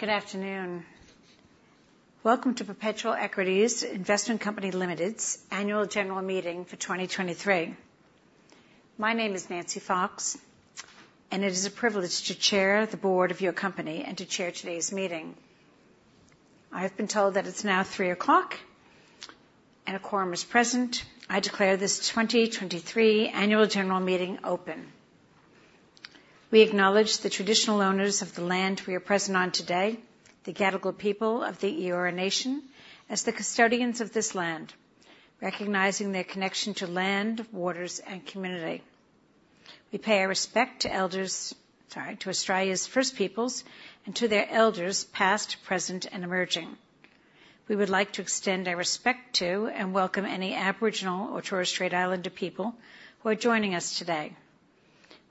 Good afternoon. Welcome to Perpetual Equity Investment Company Limited's Annual General Meeting for 2023. My name is Nancy Fox, and it is a privilege to chair the board of your company and to chair today's meeting. I have been told that it's now 3:00 P.M., and a quorum is present. I declare this 2023 Annual General Meeting open. We acknowledge the traditional owners of the land we are present on today, the Gadigal people of the Eora Nation, as the custodians of this land, recognizing their connection to land, waters, and community. We pay our respect to elders, sorry, to Australia's First Peoples and to their elders, past, present, and emerging. We would like to extend our respect to and welcome any Aboriginal or Torres Strait Islander people who are joining us today.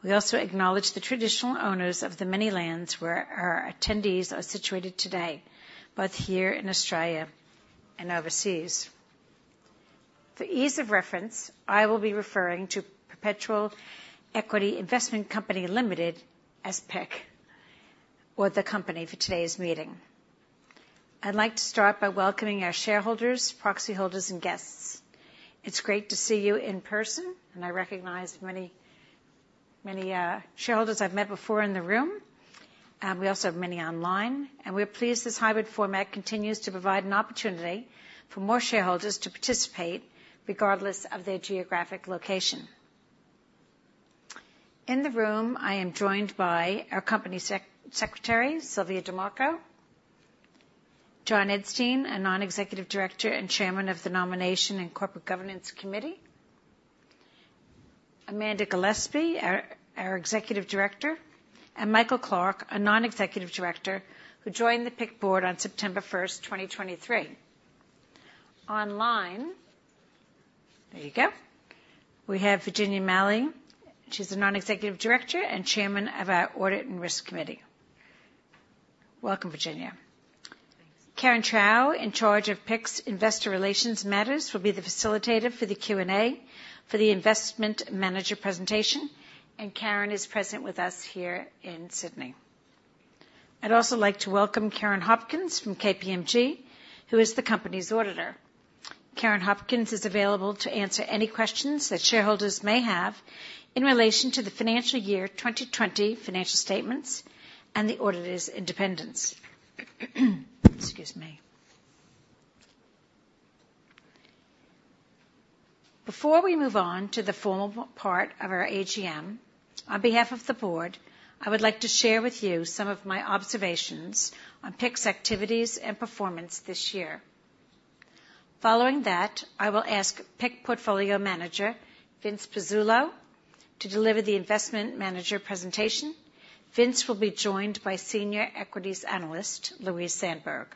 We also acknowledge the traditional owners of the many lands where our attendees are situated today, both here in Australia and overseas. For ease of reference, I will be referring to Perpetual Equity Investment Company Limited as PIC, or the company, for today's meeting. I'd like to start by welcoming our shareholders, proxy holders, and guests. It's great to see you in person, and I recognize many, many, shareholders I've met before in the room. We also have many online, and we're pleased this hybrid format continues to provide an opportunity for more shareholders to participate regardless of their geographic location. In the room, I am joined by our company secretary, Sylvie Dimarco; John Edstein, a non-executive director and chairman of the Nomination and Corporate Governance Committee; Amanda Gillespie, our executive director; and Michael Clarke, a non-executive director who joined the PIC board on September first, 2023. Online, there you go. We have Virginia Malley. She's the non-executive director and chairman of our Audit and Risk Committee. Welcome, Virginia. Thanks. Karen Trau, in charge of PIC's investor relations matters, will be the facilitator for the Q&A for the investment manager presentation, and Karen is present with us here in Sydney. I'd also like to welcome Karen Hopkins from KPMG, who is the company's auditor. Karen Hopkins is available to answer any questions that shareholders may have in relation to the financial year 2020 financial statements and the auditor's independence. Excuse me. Before we move on to the formal part of our AGM, on behalf of the board, I would like to share with you some of my observations on PIC's activities and performance this year. Following that, I will ask PIC portfolio manager, Vince Pezzullo, to deliver the investment manager presentation. Vince will be joined by senior equities analyst, Louise Sandberg.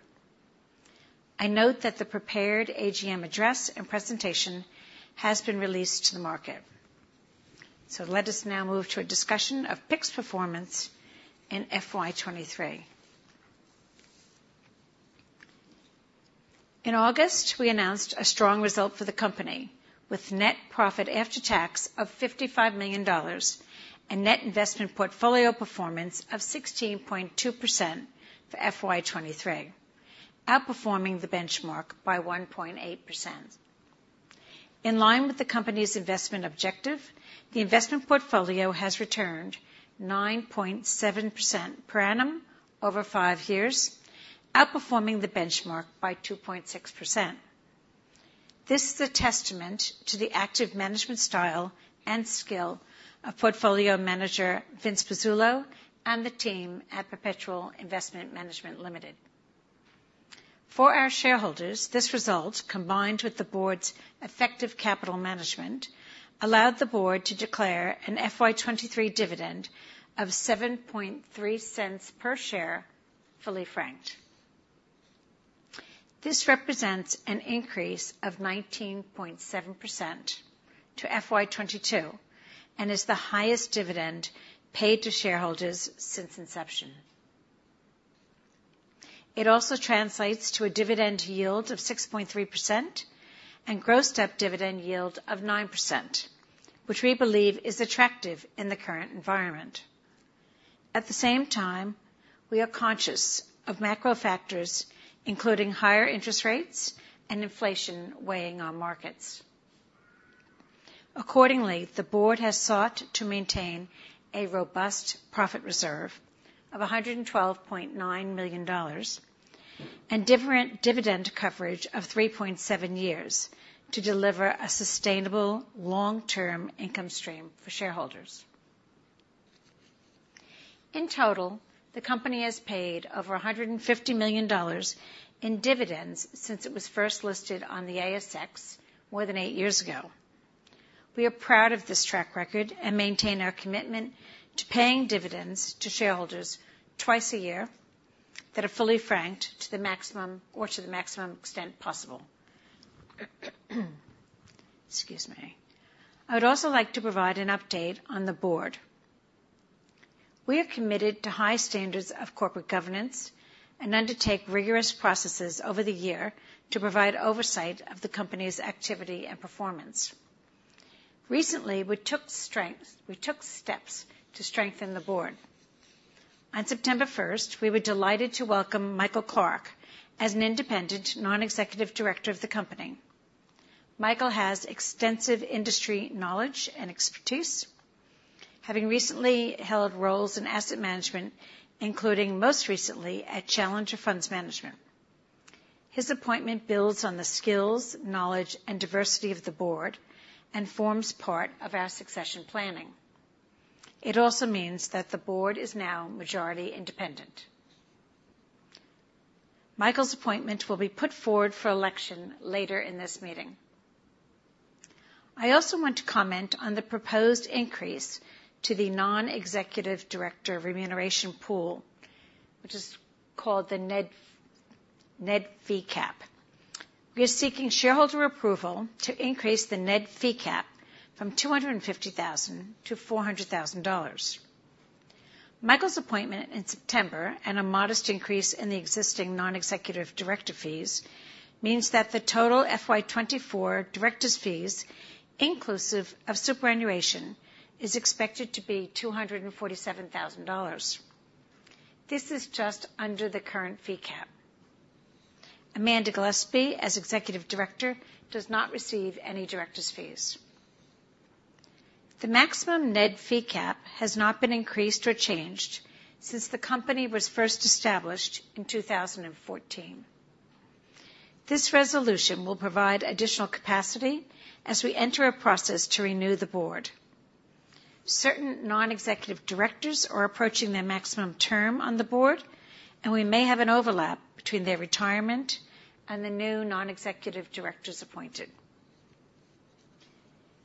I note that the prepared AGM address and presentation has been released to the market. So let us now move to a discussion of PIC's performance in FY 2023. In August, we announced a strong result for the company, with net profit after tax of 55 million dollars and net investment portfolio performance of 16.2% for FY 2023, outperforming the benchmark by 1.8%. In line with the company's investment objective, the investment portfolio has returned 9.7% per annum over five years, outperforming the benchmark by 2.6%. This is a testament to the active management style and skill of portfolio manager Vince Pezzullo and the team at Perpetual Investment Management Limited. For our shareholders, this result, combined with the board's effective capital management, allowed the board to declare an FY 2023 dividend of 0.073 per share, fully franked. This represents an increase of 19.7% to FY 2022 and is the highest dividend paid to shareholders since inception. It also translates to a dividend yield of 6.3% and grossed-up dividend yield of 9%, which we believe is attractive in the current environment. At the same time, we are conscious of macro factors, including higher interest rates and inflation weighing on markets. Accordingly, the board has sought to maintain a robust profit reserve of 112.9 million dollars and dividend coverage of 3.7 years to deliver a sustainable long-term income stream for shareholders. In total, the company has paid over 150 million dollars in dividends since it was first listed on the ASX more than eight years ago. We are proud of this track record and maintain our commitment to paying dividends to shareholders twice a year that are fully franked to the maximum or to the maximum extent possible. Excuse me. I would also like to provide an update on the board. We are committed to high standards of corporate governance and undertake rigorous processes over the year to provide oversight of the company's activity and performance. Recently, we took steps to strengthen the board. On September first, we were delighted to welcome Michael Clarke as an independent non-executive director of the company. Michael has extensive industry knowledge and expertise, having recently held roles in asset management, including most recently at Challenger Funds Management. His appointment builds on the skills, knowledge, and diversity of the board, and forms part of our succession planning. It also means that the board is now majority independent. Michael's appointment will be put forward for election later in this meeting. I also want to comment on the proposed increase to the non-executive director remuneration pool, which is called the NED, NED fee cap. We are seeking shareholder approval to increase the NED fee cap from 250,000 to 400,000 dollars. Michael's appointment in September, and a modest increase in the existing non-executive director fees, means that the total FY 2024 directors' fees, inclusive of superannuation, is expected to be 247,000 dollars. This is just under the current fee cap. Amanda Gillespie, as executive director, does not receive any directors' fees. The maximum NED fee cap has not been increased or changed since the company was first established in 2014. This resolution will provide additional capacity as we enter a process to renew the board. Certain non-executive directors are approaching their maximum term on the board, and we may have an overlap between their retirement and the new non-executive directors appointed.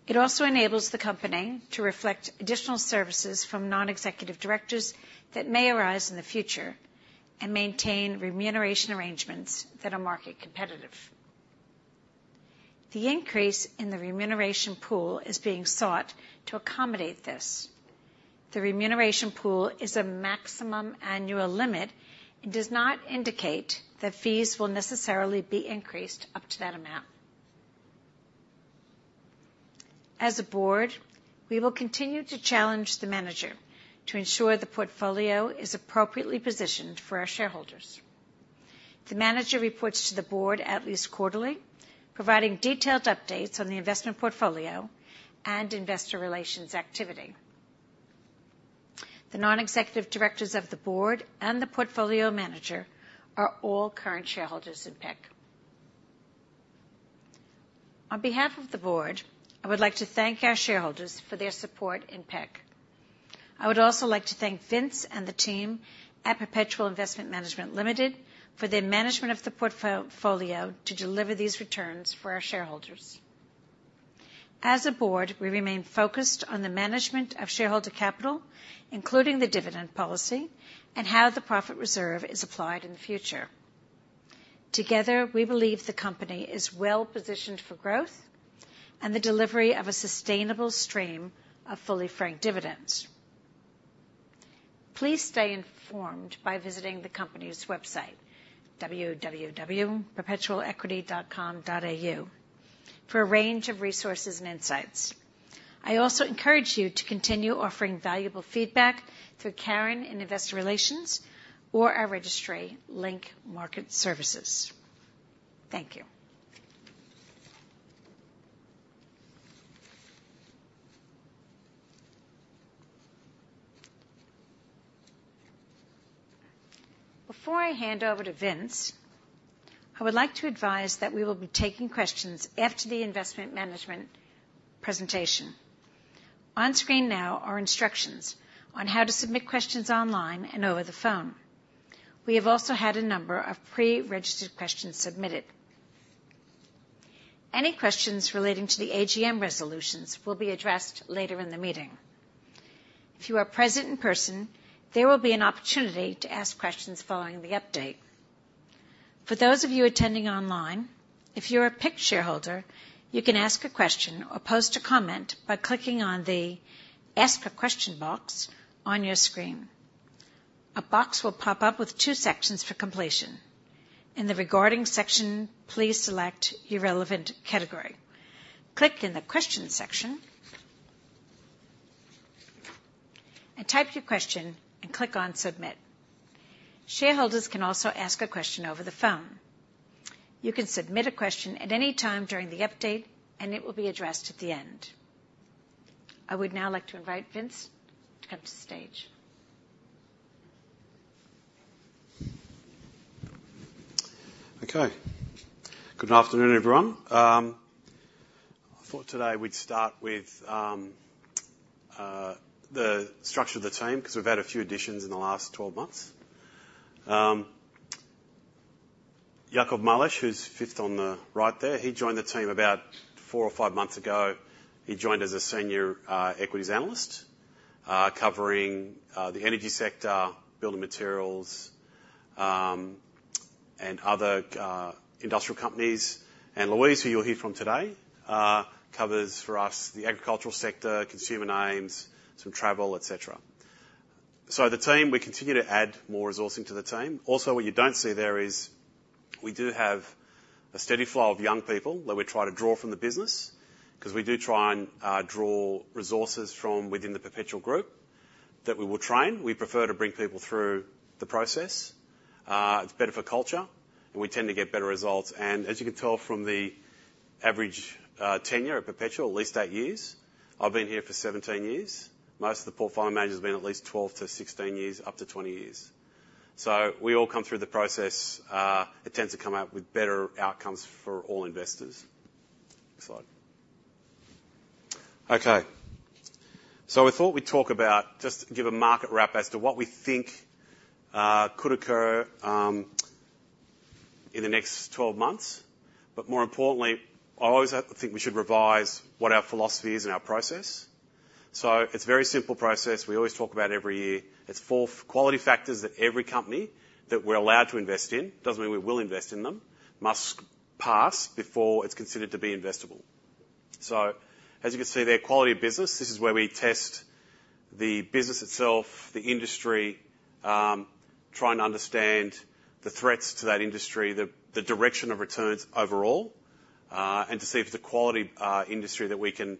It also enables the company to reflect additional services from non-executive directors that may arise in the future and maintain remuneration arrangements that are market competitive. The increase in the remuneration pool is being sought to accommodate this. The remuneration pool is a maximum annual limit, and does not indicate that fees will necessarily be increased up to that amount. As a board, we will continue to challenge the manager to ensure the portfolio is appropriately positioned for our shareholders. The manager reports to the board at least quarterly, providing detailed updates on the investment portfolio and investor relations activity. The non-executive directors of the board and the portfolio manager are all current shareholders in PIC. On behalf of the board, I would like to thank our shareholders for their support in PIC. I would also like to thank Vince and the team at Perpetual Investment Management Limited for their management of the portfolio to deliver these returns for our shareholders. As a board, we remain focused on the management of shareholder capital, including the dividend policy, and how the profit reserve is applied in the future. Together, we believe the company is well-positioned for growth and the delivery of a sustainable stream of fully franked dividends. Please stay informed by visiting the company's website, www.perpetualequity.com.au, for a range of resources and insights. I also encourage you to continue offering valuable feedback through Karen in Investor Relations or our registry, Link Market Services. Thank you. Before I hand over to Vince, I would like to advise that we will be taking questions after the investment management presentation. On screen now are instructions on how to submit questions online and over the phone. We have also had a number of pre-registered questions submitted. Any questions relating to the AGM resolutions will be addressed later in the meeting. If you are present in person, there will be an opportunity to ask questions following the update. For those of you attending online, if you're a PIC shareholder, you can ask a question or post a comment by clicking on the Ask a Question box on your screen. A box will pop up with two sections for completion. In the Regarding section, please select your relevant category. Click in the Question section, and type your question and click on Submit. Shareholders can also ask a question over the phone. You can submit a question at any time during the update, and it will be addressed at the end. I would now like to invite Vince to come to the stage. Okay. Good afternoon, everyone. I thought today we'd start with the structure of the team, because we've had a few additions in the last 12 months. Jakob Malisch, who's fifth on the right there, he joined the team about 4 or 5 months ago. He joined as a senior equities analyst covering the energy sector, building materials, and other industrial companies. And Louise, who you'll hear from today, covers for us the agricultural sector, consumer names, some travel, et cetera. So the team, we continue to add more resourcing to the team. Also, what you don't see there is we do have a steady flow of young people that we try to draw from the business, because we do try and draw resources from within the Perpetual Group that we will train. We prefer to bring people through the process. It's better for culture, and we tend to get better results. And as you can tell from the average tenure at Perpetual, at least 8 years. I've been here for 17 years. Most of the portfolio managers have been at least 12-16 years, up to 20 years. So we all come through the process. It tends to come out with better outcomes for all investors. Next slide. Okay, so I thought we'd talk about just give a market wrap as to what we think could occur in the next 12 months. But more importantly, I always have to think we should revise what our philosophy is and our process. So it's a very simple process. We always talk about every year. It's four quality factors that every company that we're allowed to invest in, doesn't mean we will invest in them, must pass before it's considered to be investable. So as you can see, their quality of business, this is where we test the business itself, the industry, try and understand the threats to that industry, the direction of returns overall, and to see if it's a quality industry that we can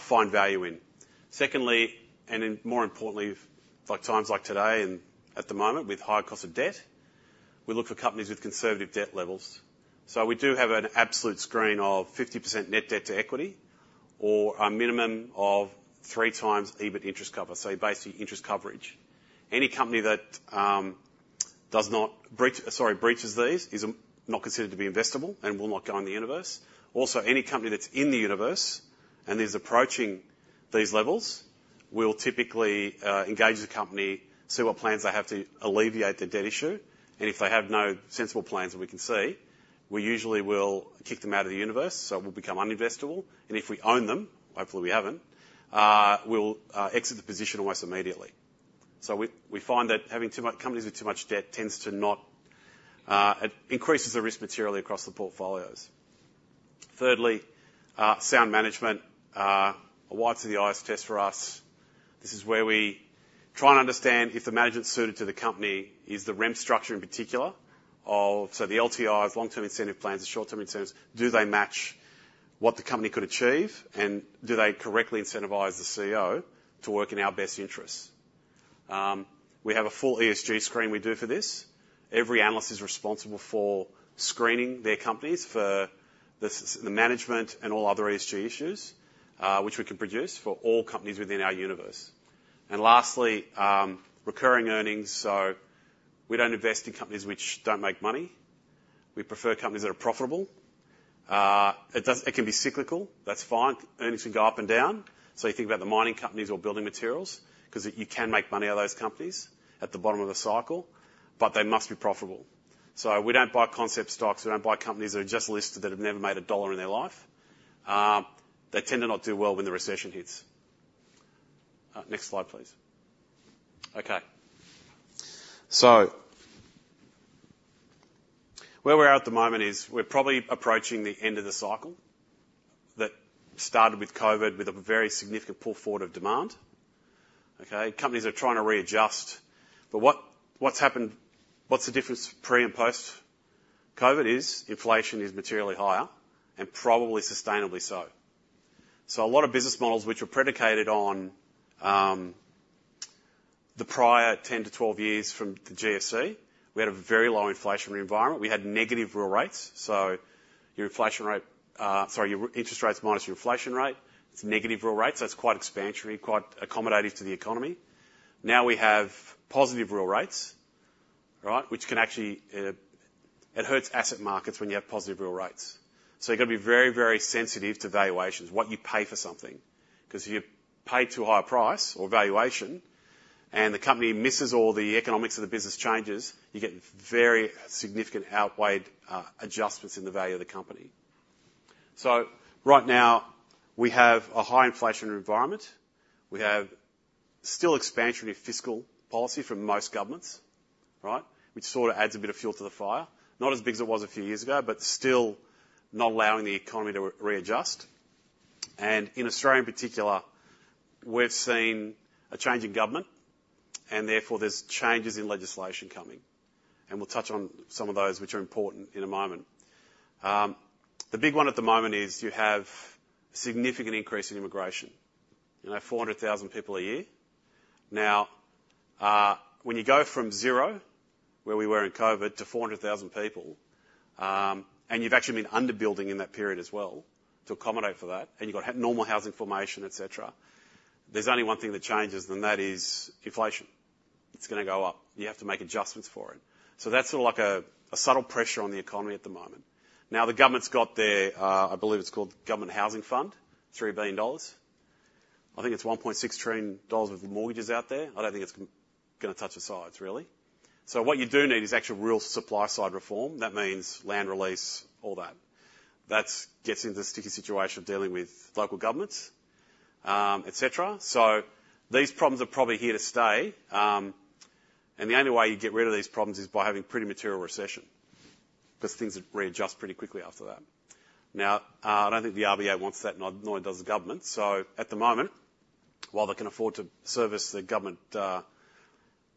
find value in. Secondly, and more importantly, for times like today and at the moment, with high cost of debt, we look for companies with conservative debt levels. So we do have an absolute screen of 50% net debt to equity or a minimum of 3 times EBIT interest cover. So basically, interest coverage. Any company that breaches these is not considered to be investable and will not go in the universe. Also, any company that's in the universe and is approaching these levels, we'll typically engage the company, see what plans they have to alleviate the debt issue, and if they have no sensible plans that we can see, we usually will kick them out of the universe, so it will become uninvestable. And if we own them, hopefully we haven't, we'll exit the position almost immediately. So we find that companies with too much debt tends to not, it increases the risk materially across the portfolios. Thirdly, sound management, a whites of the eyes test for us. This is where we try and understand if the management suited to the company is the remuneration structure in particular of... So the LTI, long-term incentive plans, the short-term incentives, do they match what the company could achieve? And do they correctly incentivize the CEO to work in our best interests? We have a full ESG screen we do for this. Every analyst is responsible for screening their companies for the management and all other ESG issues, which we can produce for all companies within our universe. And lastly, recurring earnings. So we don't invest in companies which don't make money. We prefer companies that are profitable. It can be cyclical. That's fine. Earnings can go up and down. So you think about the mining companies or building materials because you can make money out of those companies at the bottom of the cycle, but they must be profitable. So we don't buy concept stocks. We don't buy companies that are just listed that have never made a dollar in their life. They tend to not do well when the recession hits. Next slide, please. Okay, so where we're at the moment is we're probably approaching the end of the cycle that started with COVID, with a very significant pull forward of demand. Okay? Companies are trying to readjust. But what's happened, what's the difference pre- and post-COVID is inflation is materially higher and probably sustainably so. So a lot of business models, which are predicated on the prior 10-12 years from the GFC, we had a very low inflationary environment. We had negative real rates. So your inflation rate, sorry, your interest rates minus your inflation rate, it's negative real rates. That's quite expansionary, quite accommodative to the economy. Now, we have positive real rates, right, which can actually... It hurts asset markets when you have positive real rates. So you got to be very, very sensitive to valuations, what you pay for something, because if you pay too high a price or valuation and the company misses all the economics of the business changes, you get very significant outweighed adjustments in the value of the company. So right now, we have a high inflationary environment. We have still expansionary fiscal policy from most governments, right, which sort of adds a bit of fuel to the fire. Not as big as it was a few years ago, but still not allowing the economy to readjust. In Australia, in particular, we've seen a change in government, and therefore there's changes in legislation coming, and we'll touch on some of those which are important in a moment. The big one at the moment is you have significant increase in immigration, you know, 400,000 people a year. Now, when you go from zero, where we were in COVID, to 400,000 people, and you've actually been under building in that period as well to accommodate for that, and you've got normal housing formation, et cetera. There's only one thing that changes, and that is inflation. It's gonna go up. You have to make adjustments for it. So that's sort of like a subtle pressure on the economy at the moment. Now, the government's got their, I believe it's called Government Housing Fund, 3 billion dollars. I think it's 1.6 trillion dollars worth of mortgages out there. I don't think it's gonna touch the sides, really. So what you do need is actual real supply-side reform. That means land release, all that. That gets into the sticky situation of dealing with local governments, et cetera. So these problems are probably here to stay. And the only way you get rid of these problems is by having pretty material recession because things would readjust pretty quickly after that. Now, I don't think the RBA wants that, nor does the government. So at the moment, while they can afford to service the government,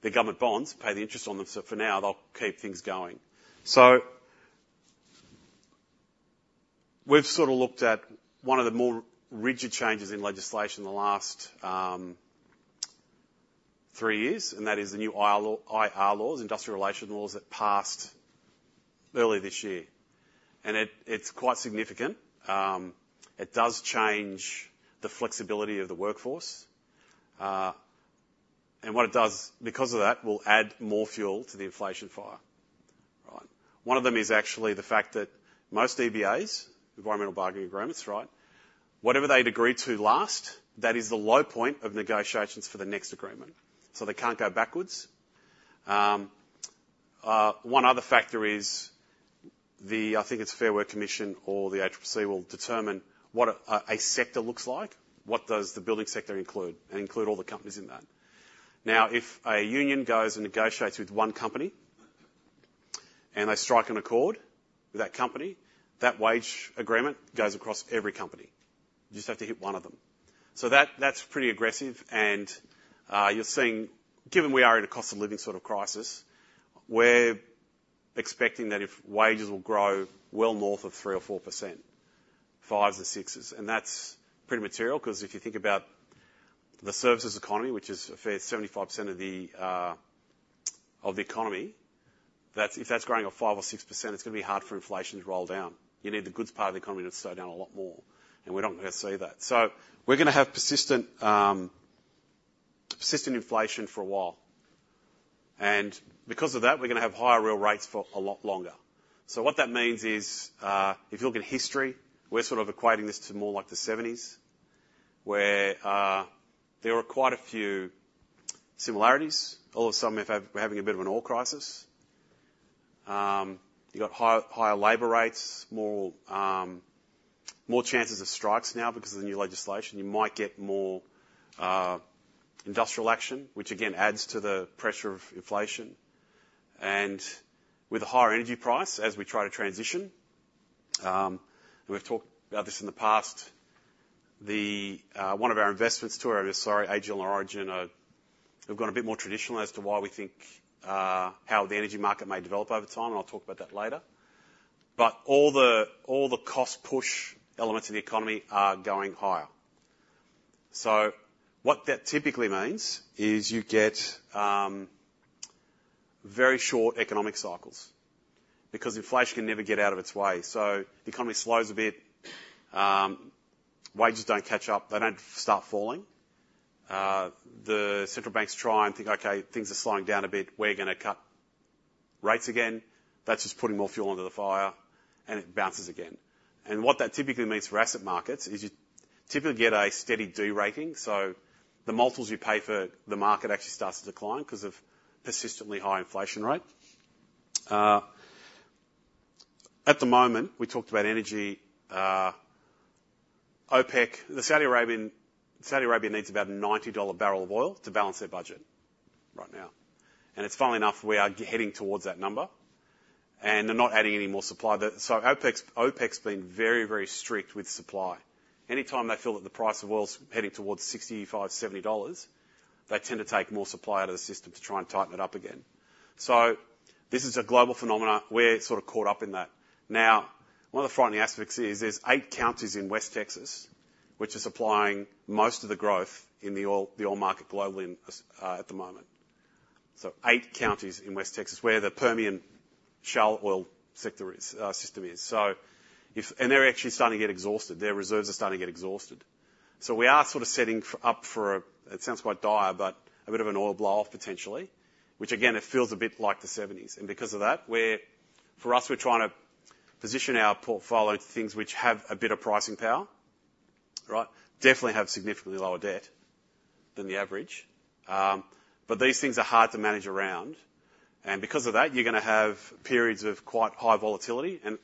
the government bonds, pay the interest on them, so for now, they'll keep things going. So we've sort of looked at one of the more rigid changes in legislation in the last three years, and that is the new IR law, IR laws, industrial relations laws, that passed early this year. And it, it's quite significant. It does change the flexibility of the workforce, and what it does, because of that, will add more fuel to the inflation fire. Right? One of them is actually the fact that most EBAs, enterprise bargaining agreements, right? Whatever they'd agreed to last, that is the low point of negotiations for the next agreement, so they can't go backwards. One other factor is the... I think it's Fair Work Commission or the ACCC will determine what a sector looks like. What does the building sector include? And include all the companies in that. Now, if a union goes and negotiates with one company, and they strike an accord with that company, that wage agreement goes across every company. You just have to hit one of them. So that, that's pretty aggressive and, you're seeing, given we are in a cost of living sort of crisis, we're expecting that if wages will grow well north of 3% or 4%, 5s or 6s. And that's pretty material, 'cause if you think about the services economy, which is a fair 75% of the of the economy, that's-- If that's growing at 5% or 6%, it's gonna be hard for inflation to roll down. You need the goods part of the economy to slow down a lot more, and we're not gonna see that. So we're gonna have persistent inflation for a while, and because of that, we're gonna have higher real rates for a lot longer. So what that means is, if you look at history, we're sort of equating this to more like the '70s, where there are quite a few similarities. All of a sudden, we're having a bit of an oil crisis. You got higher labor rates, more chances of strikes now because of the new legislation. You might get more industrial action, which again adds to the pressure of inflation. And with a higher energy price, as we try to transition, and we've talked about this in the past, the... One of our investments, two of our... Sorry, AGL and Origin have gone a bit more traditional as to why we think how the energy market may develop over time, and I'll talk about that later. But all the cost push elements in the economy are going higher. So what that typically means is you get very short economic cycles because inflation can never get out of its way. So the economy slows a bit, wages don't catch up. They don't start falling. The central banks try and think, "Okay, things are slowing down a bit. We're gonna cut rates again." That's just putting more fuel into the fire, and it bounces again. And what that typically means for asset markets is you typically get a steady de-rating, so the multiples you pay for the market actually starts to decline 'cause of persistently high inflation rate. At the moment, we talked about energy. OPEC, the Saudi Arabian, Saudi Arabia needs about a $90 barrel of oil to balance their budget right now, and it's funnily enough, we are heading towards that number, and they're not adding any more supply. So OPEC's, OPEC's been very, very strict with supply. Anytime they feel that the price of oil is heading towards $65-$70, they tend to take more supply out of the system to try and tighten it up again. So this is a global phenomena. We're sort of caught up in that. Now, one of the frightening aspects is, there's eight counties in West Texas, which are supplying most of the growth in the oil, the oil market globally, at the moment. So eight counties in West Texas, where the Permian Shale oil sector is, system is. So if... And they're actually starting to get exhausted. Their reserves are starting to get exhausted. So we are sort of setting up for a, it sounds quite dire, but a bit of an oil blow-off, potentially. Which again, it feels a bit like the '70s, and because of that, we're... For us, we're trying to position our portfolio to things which have a bit of pricing power, right? Definitely have significantly lower debt than the average. But these things are hard to manage around, and because of that, you're gonna have periods of quite high volatility, and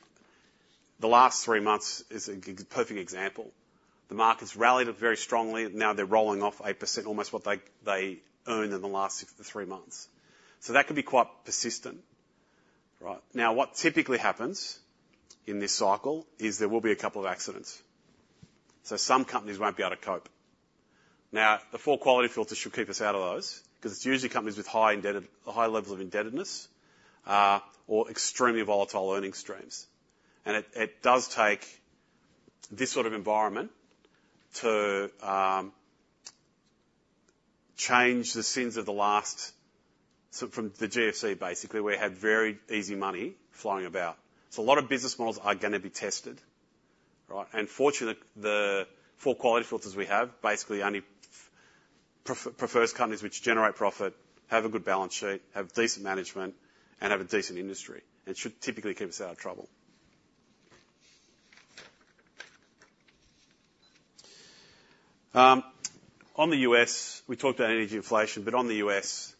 the last three months is a perfect example. The markets rallied very strongly, now they're rolling off 8%, almost what they, they earned in the last three months. So that could be quite persistent. Right. Now, what typically happens in this cycle is there will be a couple of accidents, so some companies won't be able to cope. Now, the four quality filters should keep us out of those, 'cause it's usually companies with high indebtedness or extremely volatile earnings streams. And it does take this sort of environment to change the sins of the last, so from the GFC, basically, we had very easy money flowing about. So a lot of business models are gonna be tested, right? And fortunately, the four quality filters we have basically only prefers companies which generate profit, have a good balance sheet, have decent management, and have a decent industry, and should typically keep us out of trouble. On the U.S., we talked about energy inflation, but on the U.S.,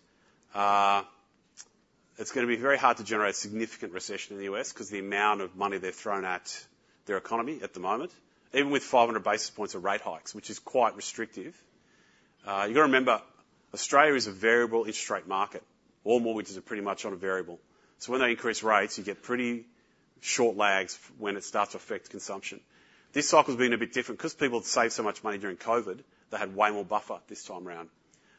it's gonna be very hard to generate significant recession in the U.S., 'cause the amount of money they've thrown at their economy at the moment, even with 500 basis points of rate hikes, which is quite restrictive. You've got to remember, Australia is a variable interest rate market. All mortgages are pretty much on a variable, so when they increase rates, you get pretty short lags when it starts to affect consumption. This cycle has been a bit different. Because people saved so much money during COVID, they had way more buffer this time around,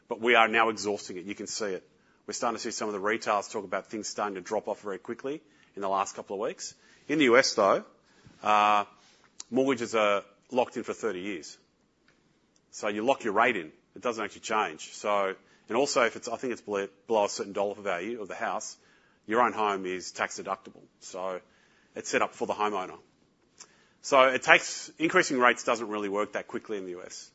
but we are now exhausting it. You can see it. We're starting to see some of the retailers talk about things starting to drop off very quickly in the last couple of weeks. In the U.S., though, mortgages are locked in for 30 years. So you lock your rate in, it doesn't actually change. And also, if it's, I think it's below a certain dollar value of the house, your own home is tax deductible, so it's set up for the homeowner. Increasing rates doesn't really work that quickly in the U.S.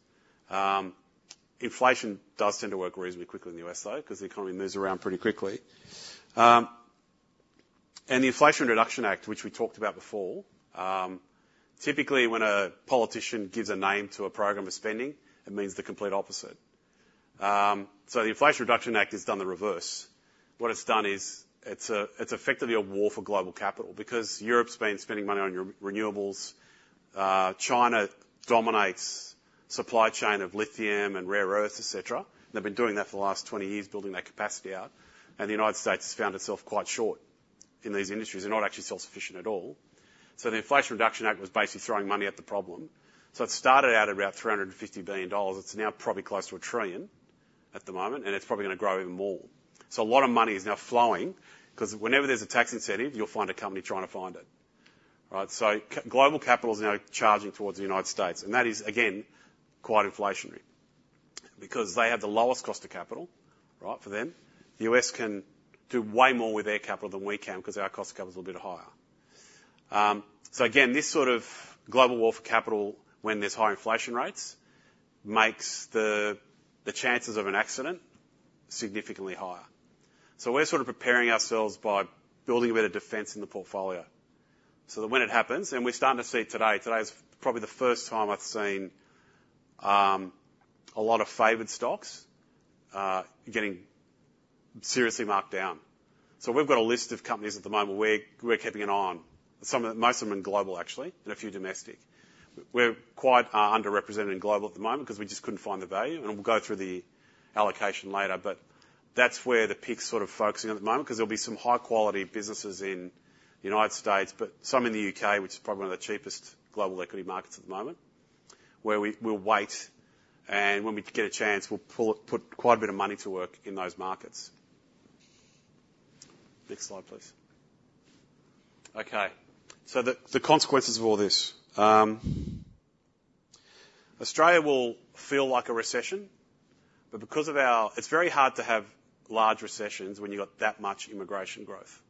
Inflation does tend to work reasonably quickly in the U.S., though, 'cause the economy moves around pretty quickly. And the Inflation Reduction Act, which we talked about before, typically, when a politician gives a name to a program of spending, it means the complete opposite. So the Inflation Reduction Act has done the reverse. What it's done is, it's effectively a war for global capital because Europe's been spending money on renewables. China dominates supply chain of lithium and rare earths, et cetera. They've been doing that for the last 20 years, building that capacity out, and the United States has found itself quite short in these industries. They're not actually self-sufficient at all. So the Inflation Reduction Act was basically throwing money at the problem. So it started out at about $350 billion. It's now probably close to $1 trillion at the moment, and it's probably going to grow even more. So a lot of money is now flowing, 'cause whenever there's a tax incentive, you'll find a company trying to find it. All right? So global capital is now charging towards the United States, and that is, again, quite inflationary because they have the lowest cost of capital, right, for them. The U.S. can do way more with their capital than we can, because our cost of capital is a little bit higher. So again, this sort of global war for capital when there's high inflation rates, makes the chances of an accident significantly higher. So we're sort of preparing ourselves by building a bit of defense in the portfolio, so that when it happens, and we're starting to see it today. Today is probably the first time I've seen a lot of favored stocks getting seriously marked down. So we've got a list of companies at the moment we're keeping an eye on. Some of them. Most of them are global, actually, and a few domestic. We're quite underrepresented in global at the moment because we just couldn't find the value, and we'll go through the allocation later. But that's where the PIC's sort of focusing at the moment, 'cause there'll be some high-quality businesses in the United States, but some in the U.K., which is probably one of the cheapest global equity markets at the moment, where we'll wait, and when we get a chance, we'll put quite a bit of money to work in those markets. Next slide, please. Okay, so the consequences of all this. Australia will feel like a recession, but because of our... It's very hard to have large recessions when you've got that much immigration growth.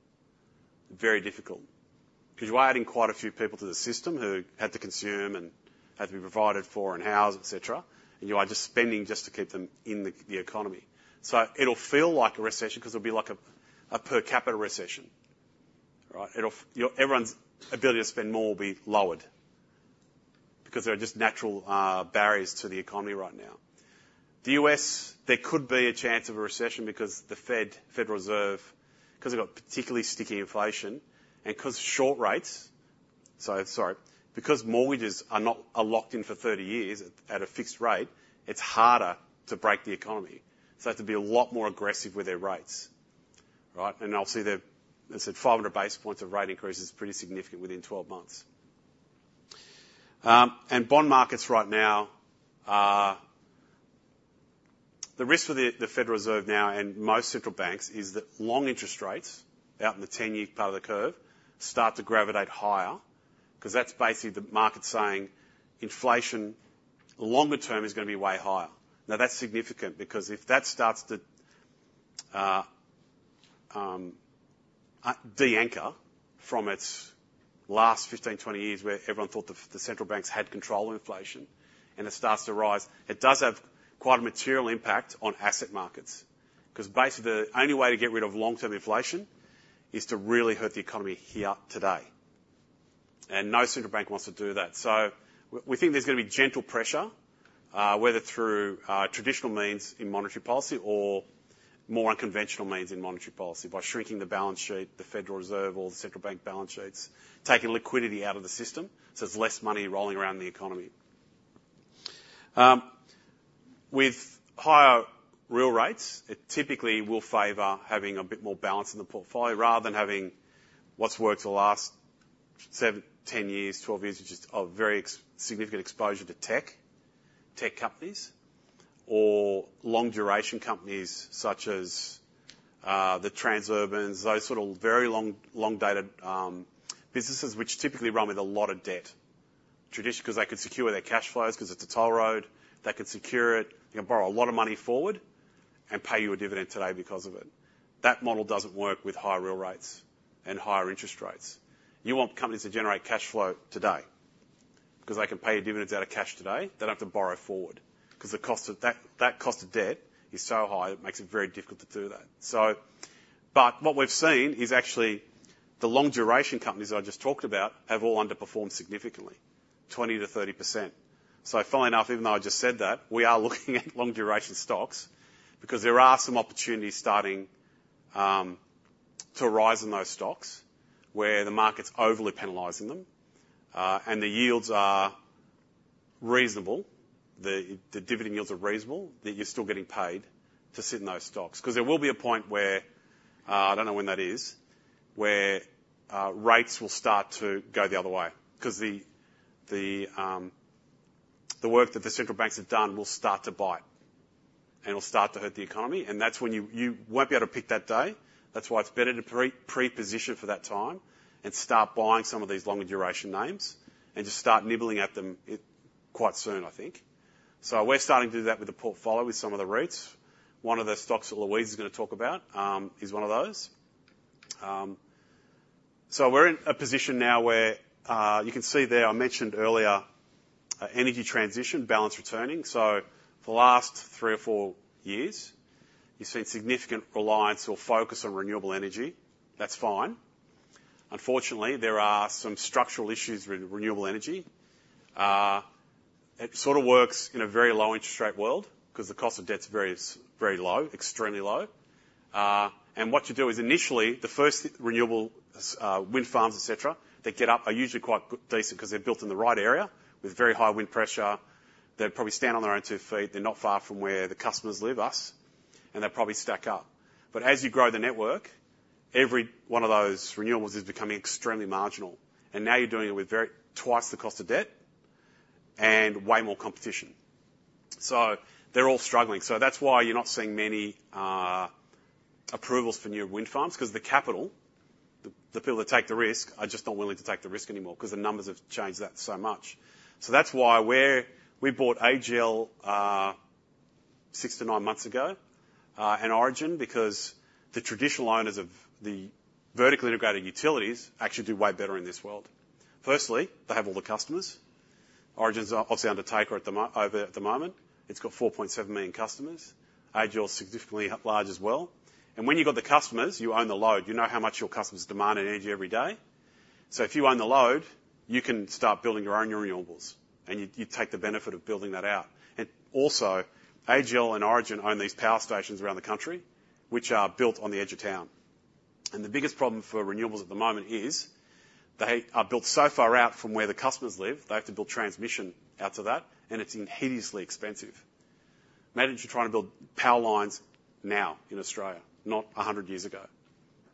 Very difficult, because you're adding quite a few people to the system who have to consume and have to be provided for and housed, et cetera, and you are just spending just to keep them in the economy. So it'll feel like a recession because it'll be like a per capita recession. All right? It'll... Everyone's ability to spend more will be lowered because there are just natural barriers to the economy right now. The U.S., there could be a chance of a recession because the Fed, Federal Reserve, because they've got particularly sticky inflation and because short rates... Sorry, sorry. Because mortgages are not, are locked in for 30 years at a fixed rate, it's harder to break the economy, so they have to be a lot more aggressive with their rates. Right? And obviously, as I said, 500 basis points of rate increase is pretty significant within 12 months. And bond markets right now, the risk for the Federal Reserve now and most central banks is that long interest rates out in the 10-year part of the curve start to gravitate higher, 'cause that's basically the market saying inflation longer term is going to be way higher. Now, that's significant because if that starts to de-anchor from its last 15, 20 years, where everyone thought the central banks had control of inflation, and it starts to rise, it does have quite a material impact on asset markets. 'Cause basically, the only way to get rid of long-term inflation is to really hurt the economy here today, and no central bank wants to do that. So we, we think there's going to be gentle pressure, whether through traditional means in monetary policy or more unconventional means in monetary policy, by shrinking the balance sheet, the Federal Reserve or the central bank balance sheets, taking liquidity out of the system, so it's less money rolling around the economy. With higher real rates, it typically will favor having a bit more balance in the portfolio rather than having what's worked the last 7, 10 years, 12 years, which is a very significant exposure to tech, tech companies or long-duration companies such as the Transurban, those sort of very long, long-dated businesses, which typically run with a lot of debt. Traditionally 'cause they could secure their cash flows, 'cause it's a toll road, they could secure it. They can borrow a lot of money forward and pay you a dividend today because of it. That model doesn't work with high real rates and higher interest rates. You want companies to generate cash flow today, 'cause they can pay you dividends out of cash today. They don't have to borrow forward, 'cause the cost of that, that cost of debt is so high, it makes it very difficult to do that. So, but what we've seen is actually the long-duration companies I just talked about have all underperformed significantly, 20%-30%. So funnily enough, even though I just said that, we are looking at long-duration stocks because there are some opportunities starting to rise in those stocks where the market's overly penalizing them, and the yields are reasonable, the, the dividend yields are reasonable, that you're still getting paid to sit in those stocks. 'Cause there will be a point where, I don't know when that is, where, rates will start to go the other way. 'Cause the work that the central banks have done will start to bite, and it'll start to hurt the economy, and that's when you won't be able to pick that day. That's why it's better to preposition for that time and start buying some of these longer duration names and just start nibbling at them, quite soon, I think. So we're starting to do that with the portfolio, with some of the REITs. One of the stocks that Louise is gonna talk about, is one of those. So we're in a position now where, you can see there, I mentioned earlier, energy transition, balance returning. So for the last three or four years, you've seen significant reliance or focus on renewable energy. That's fine. Unfortunately, there are some structural issues with renewable energy. It sort of works in a very low interest rate world 'cause the cost of debt is very, very low, extremely low. And what you do is, initially, the first renewable, wind farms, et cetera, that get up are usually quite decent because they're built in the right area with very high wind pressure. They probably stand on their own two feet. They're not far from where the customers live, us, and they probably stack up. But as you grow the network, every one of those renewables is becoming extremely marginal, and now you're doing it with very twice the cost of debt and way more competition. So they're all struggling. So that's why you're not seeing many approvals for new wind farms, 'cause the capital, the people that take the risk are just not willing to take the risk anymore, 'cause the numbers have changed that so much. So that's why we bought AGL 6-9 months ago, and Origin, because the traditional owners of the vertically integrated utilities actually do way better in this world. Firstly, they have all the customers. Origin's obviously under takeover at the moment. It's got 4.7 million customers. AGL is significantly large as well. And when you've got the customers, you own the load. You know how much your customers demand in energy every day. So if you own the load, you can start building your own renewables, and you take the benefit of building that out. And also, AGL and Origin own these power stations around the country, which are built on the edge of town. And the biggest problem for renewables at the moment is they are built so far out from where the customers live, they have to build transmission out to that, and it's heinously expensive. Imagine you're trying to build power lines now in Australia, not a hundred years ago,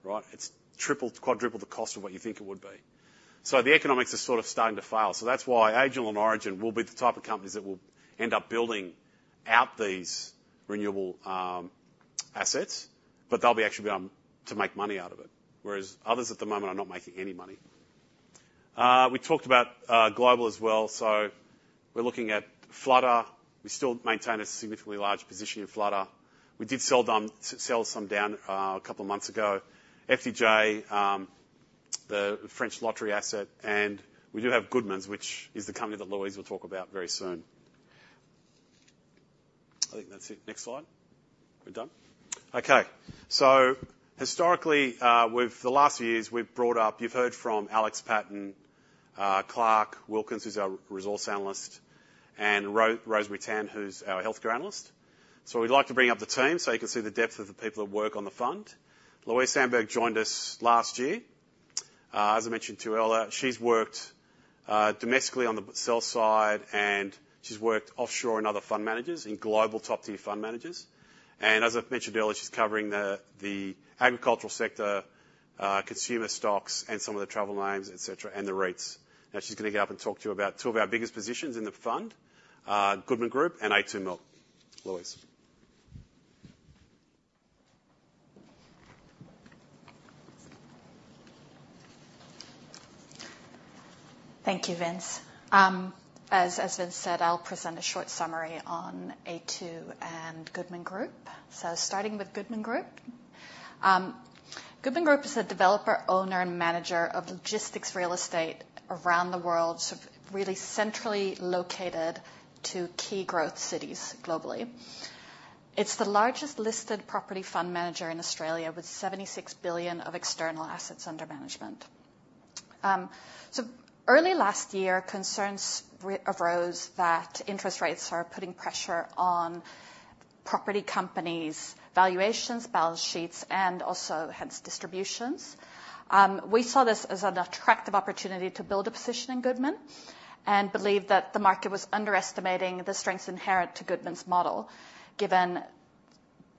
right? It's triple, quadruple the cost of what you think it would be. So the economics are sort of starting to fail. So that's why AGL and Origin will be the type of companies that will end up building out these renewable assets, but they'll actually be able to make money out of it, whereas others at the moment are not making any money. We talked about global as well, so we're looking at Flutter. We still maintain a significantly large position in Flutter. We did sell down, sell some down, a couple of months ago. FDJ, the French lottery asset, and we do have Goodman, which is the company that Louise will talk about very soon. I think that's it. Next slide. We're done? Okay, so historically, with the last few years, we've brought up. You've heard from Alex Patton, Clark Wilkins, who's our resource analyst, and Rosemary Tan, who's our healthcare analyst. So we'd like to bring up the team so you can see the depth of the people that work on the fund. Louise Sandberg joined us last year. As I mentioned to you earlier, she's worked domestically on the sell side, and she's worked offshore in other fund managers, in global top-tier fund managers. As I've mentioned earlier, she's covering the, the agricultural sector, consumer stocks, and some of the travel names, et cetera, and the REITs. Now, she's gonna get up and talk to you about two of our biggest positions in the fund, Goodman Group and A2 Milk. Louise? Thank you, Vince. As Vince said, I'll present a short summary on A2 and Goodman Group. Starting with Goodman Group. Goodman Group is a developer, owner, and manager of logistics real estate around the world, so really centrally located to key growth cities globally. It's the largest listed property fund manager in Australia, with 76 billion of external assets under management. So early last year, concerns arose that interest rates are putting pressure on property companies, valuations, balance sheets, and also, hence, distributions. We saw this as an attractive opportunity to build a position in Goodman and believed that the market was underestimating the strengths inherent to Goodman's model, given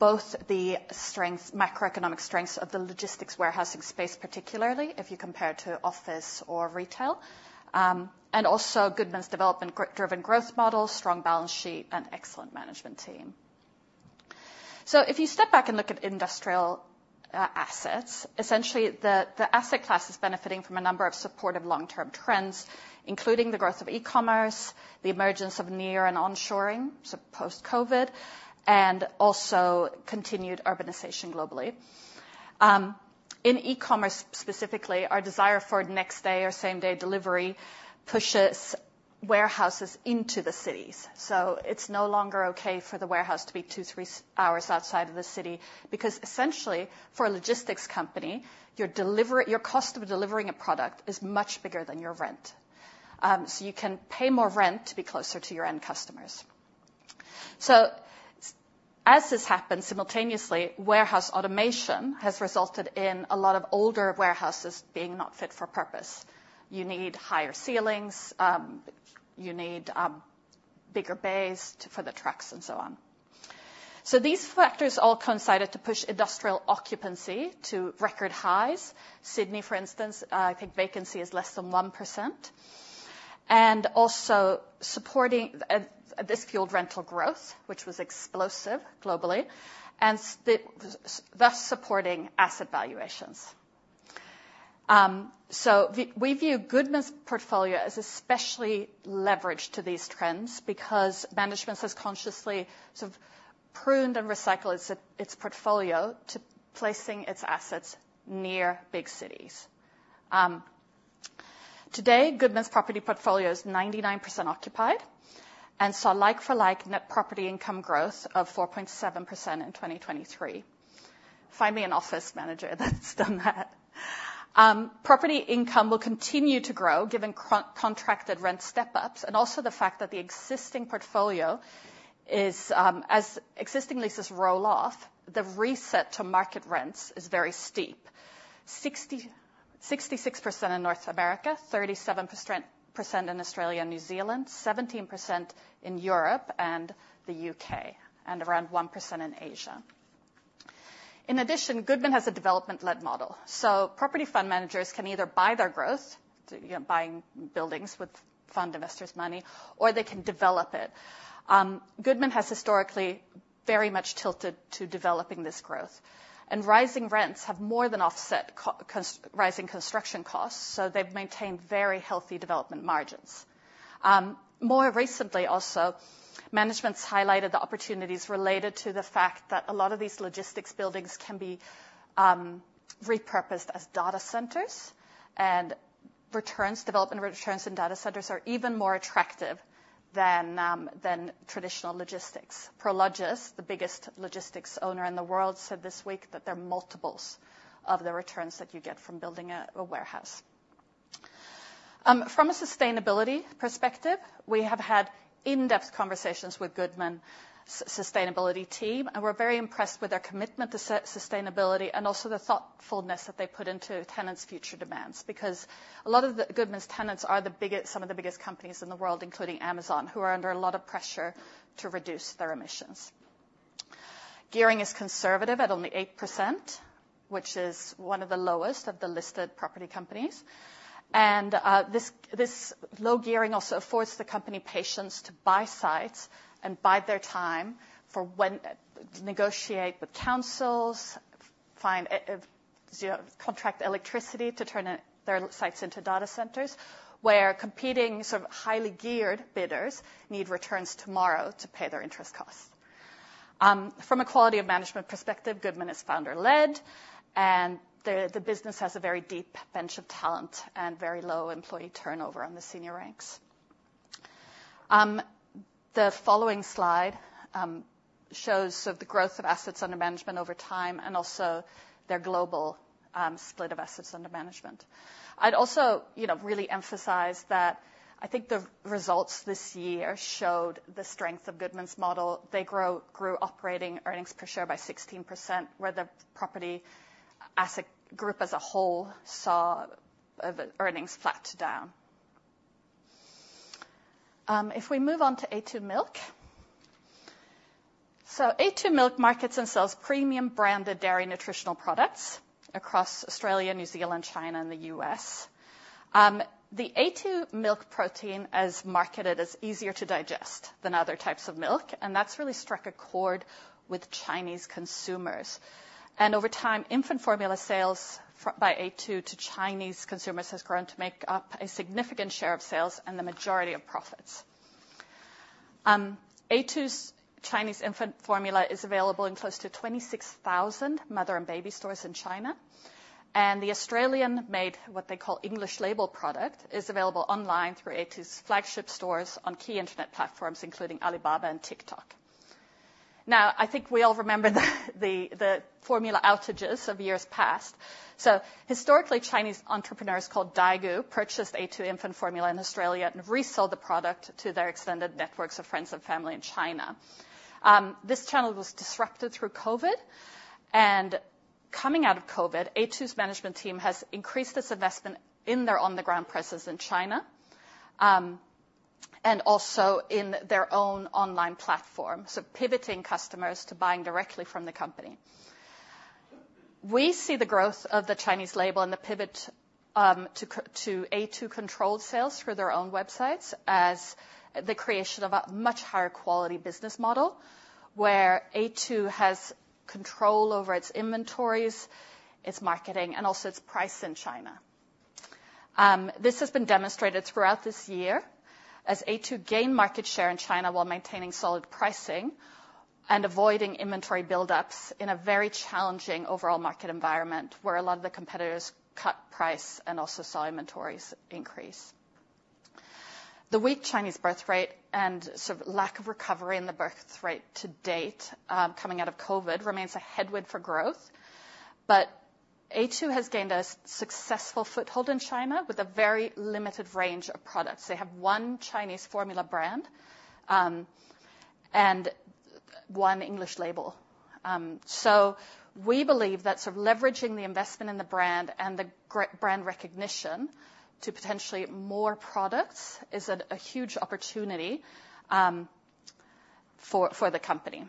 both the strengths, macroeconomic strengths of the logistics warehousing space, particularly if you compare it to office or retail, and also Goodman's development driven growth model, strong balance sheet, and excellent management team. So if you step back and look at industrial assets, essentially, the asset class is benefiting from a number of supportive long-term trends, including the growth of e-commerce, the emergence of near and onshoring, so post-COVID, and also continued urbanization globally. In e-commerce, specifically, our desire for next-day or same-day delivery pushes warehouses into the cities. So it's no longer okay for the warehouse to be two, three hours outside of the city, because essentially, for a logistics company, your deliver... Your cost of delivering a product is much bigger than your rent. So you can pay more rent to be closer to your end customers. So as this happens, simultaneously, warehouse automation has resulted in a lot of older warehouses being not fit for purpose. You need higher ceilings, you need bigger bays for the trucks, and so on. So these factors all coincided to push industrial occupancy to record highs. Sydney, for instance, vacancy is less than 1%. And also supporting this fueled rental growth, which was explosive globally, and thus supporting asset valuations. So we view Goodman’s portfolio as especially leveraged to these trends because management has consciously sort of pruned and recycled its portfolio to placing its assets near big cities. Today, Goodman's property portfolio is 99% occupied, and saw like-for-like net property income growth of 4.7% in 2023. Find me an office manager that's done that. Property income will continue to grow, given contracted rent step-ups, and also the fact that the existing portfolio is, as existing leases roll off, the reset to market rents is very steep. 66% in North America, 37% in Australia and New Zealand, 17% in Europe and the U.K., and around 1% in Asia. In addition, Goodman has a development-led model, so property fund managers can either buy their growth, you know, buying buildings with fund investors' money, or they can develop it. Goodman has historically very much tilted to developing this growth, and rising rents have more than offset rising construction costs, so they've maintained very healthy development margins. More recently, also, management's highlighted the opportunities related to the fact that a lot of these logistics buildings can be repurposed as data centers, and returns, development returns and data centers are even more attractive than traditional logistics. Prologis, the biggest logistics owner in the world, said this week that they're multiples of the returns that you get from building a warehouse. From a sustainability perspective, we have had in-depth conversations with Goodman's sustainability team, and we're very impressed with their commitment to sustainability and also the thoughtfulness that they put into tenants' future demands. Because a lot of the Goodman's tenants are the biggest, some of the biggest companies in the world, including Amazon, who are under a lot of pressure to reduce their emissions. Gearing is conservative at only 8%, which is one of the lowest of the listed property companies. And this low gearing also affords the company patience to buy sites and bide their time for when negotiate with councils, find you know, contract electricity to turn their sites into data centers, where competing, sort of highly geared bidders need returns tomorrow to pay their interest costs. From a quality of management perspective, Goodman is founder-led, and the business has a very deep bench of talent and very low employee turnover on the senior ranks. The following slide shows sort of the growth of assets under management over time and also their global split of assets under management. I'd also, you know, really emphasize that I think the results this year showed the strength of Goodman's model. They grew operating earnings per share by 16%, where the property as a group, as a whole, saw earnings flat to down. If we move on to A2 Milk. A2 Milk markets and sells premium branded dairy nutritional products across Australia, New Zealand, China, and the U.S. The A2 milk protein is marketed as easier to digest than other types of milk, and that's really struck a chord with Chinese consumers. Over time, infant formula sales by A2 to Chinese consumers has grown to make up a significant share of sales and the majority of profits. A2's Chinese infant formula is available in close to 26,000 mother and baby stores in China, and the Australian-made, what they call English Label product, is available online through A2's flagship stores on key internet platforms, including Alibaba and TikTok. Now, I think we all remember the formula outages of years past. So historically, Chinese entrepreneurs, called Daigou, purchased A2 infant formula in Australia and resold the product to their extended networks of friends and family in China. This channel was disrupted through COVID, and coming out of COVID, A2's management team has increased its investment in their on-the-ground presence in China, and also in their own online platform, so pivoting customers to buying directly from the company. We see the growth of the Chinese label and the pivot to A2-controlled sales through their own websites as the creation of a much higher quality business model, where A2 has control over its inventories, its marketing, and also its price in China. This has been demonstrated throughout this year as A2 gained market share in China while maintaining solid pricing and avoiding inventory buildups in a very challenging overall market environment, where a lot of the competitors cut price and also saw inventories increase. The weak Chinese birth rate and sort of lack of recovery in the birth rate to date, coming out of COVID, remains a headwind for growth, but A2 has gained a successful foothold in China with a very limited range of products. They have one Chinese formula brand and one English label. So we believe that sort of leveraging the investment in the brand and the great brand recognition to potentially more products is a huge opportunity for the company.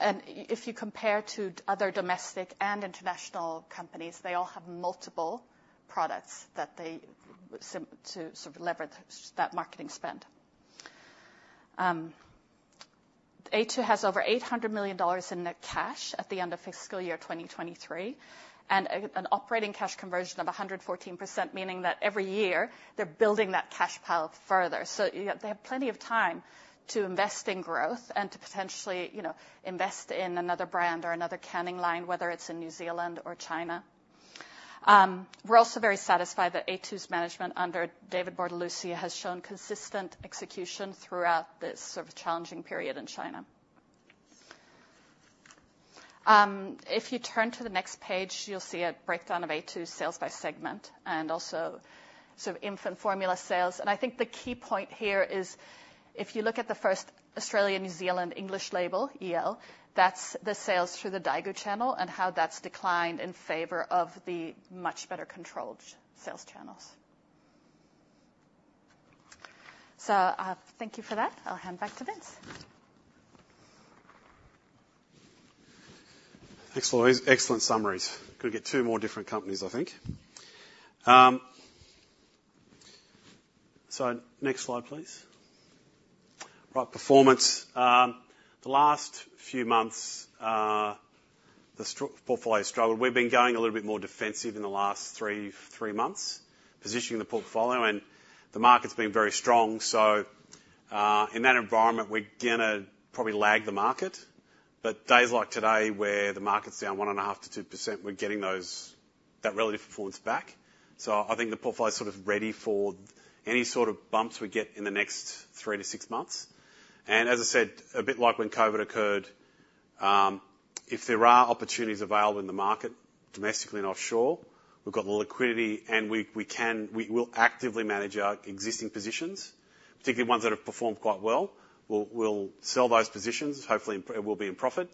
And if you compare to other domestic and international companies, they all have multiple products to sort of leverage that marketing spend. A2 has over 800 million dollars in net cash at the end of fiscal year 2023, and an operating cash conversion of 114%, meaning that every year they're building that cash pile further. So they have plenty of time to invest in growth and to potentially, you know, invest in another brand or another canning line, whether it's in New Zealand or China. We're also very satisfied that A2's management under David Bortolussi has shown consistent execution throughout this sort of challenging period in China. If you turn to the next page, you'll see a breakdown of A2's sales by segment and also sort of infant formula sales. And I think the key point here is, if you look at the first Australia, New Zealand, English label, EL, that's the sales through the Daigou channel and how that's declined in favor of the much better controlled sales channels. So, thank you for that. I'll hand back to Vince. Thanks, Laura. Excellent summaries. Couldn't get two more different companies, I think. So next slide, please. Right. Performance. The last few months, the portfolio struggled. We've been going a little bit more defensive in the last three months, positioning the portfolio, and the market's been very strong. So, in that environment, we're gonna probably lag the market. But days like today, where the market's down 1.5%-2%, we're getting that relative performance back. So I think the portfolio is sort of ready for any sort of bumps we get in the next 3-6 months. As I said, a bit like when COVID occurred, if there are opportunities available in the market, domestically and offshore, we've got the liquidity and we can. We will actively manage our existing positions, particularly ones that have performed quite well. We'll sell those positions. Hopefully, we'll be in profit.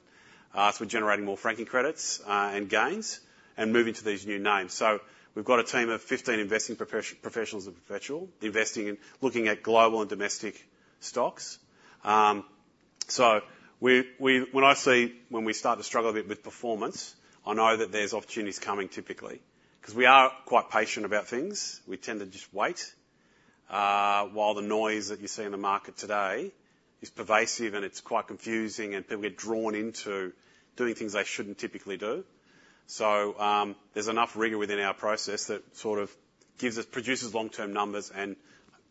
So we're generating more franking credits and gains, and moving to these new names. So we've got a team of 15 investing professionals and virtually investing in, looking at global and domestic stocks. When we see, when we start to struggle a bit with performance, I know that there's opportunities coming typically, 'cause we are quite patient about things. We tend to just wait. While the noise that you see in the market today is pervasive, and it's quite confusing, and people get drawn into doing things they shouldn't typically do. So, there's enough rigor within our process that sort of gives us, produces long-term numbers. And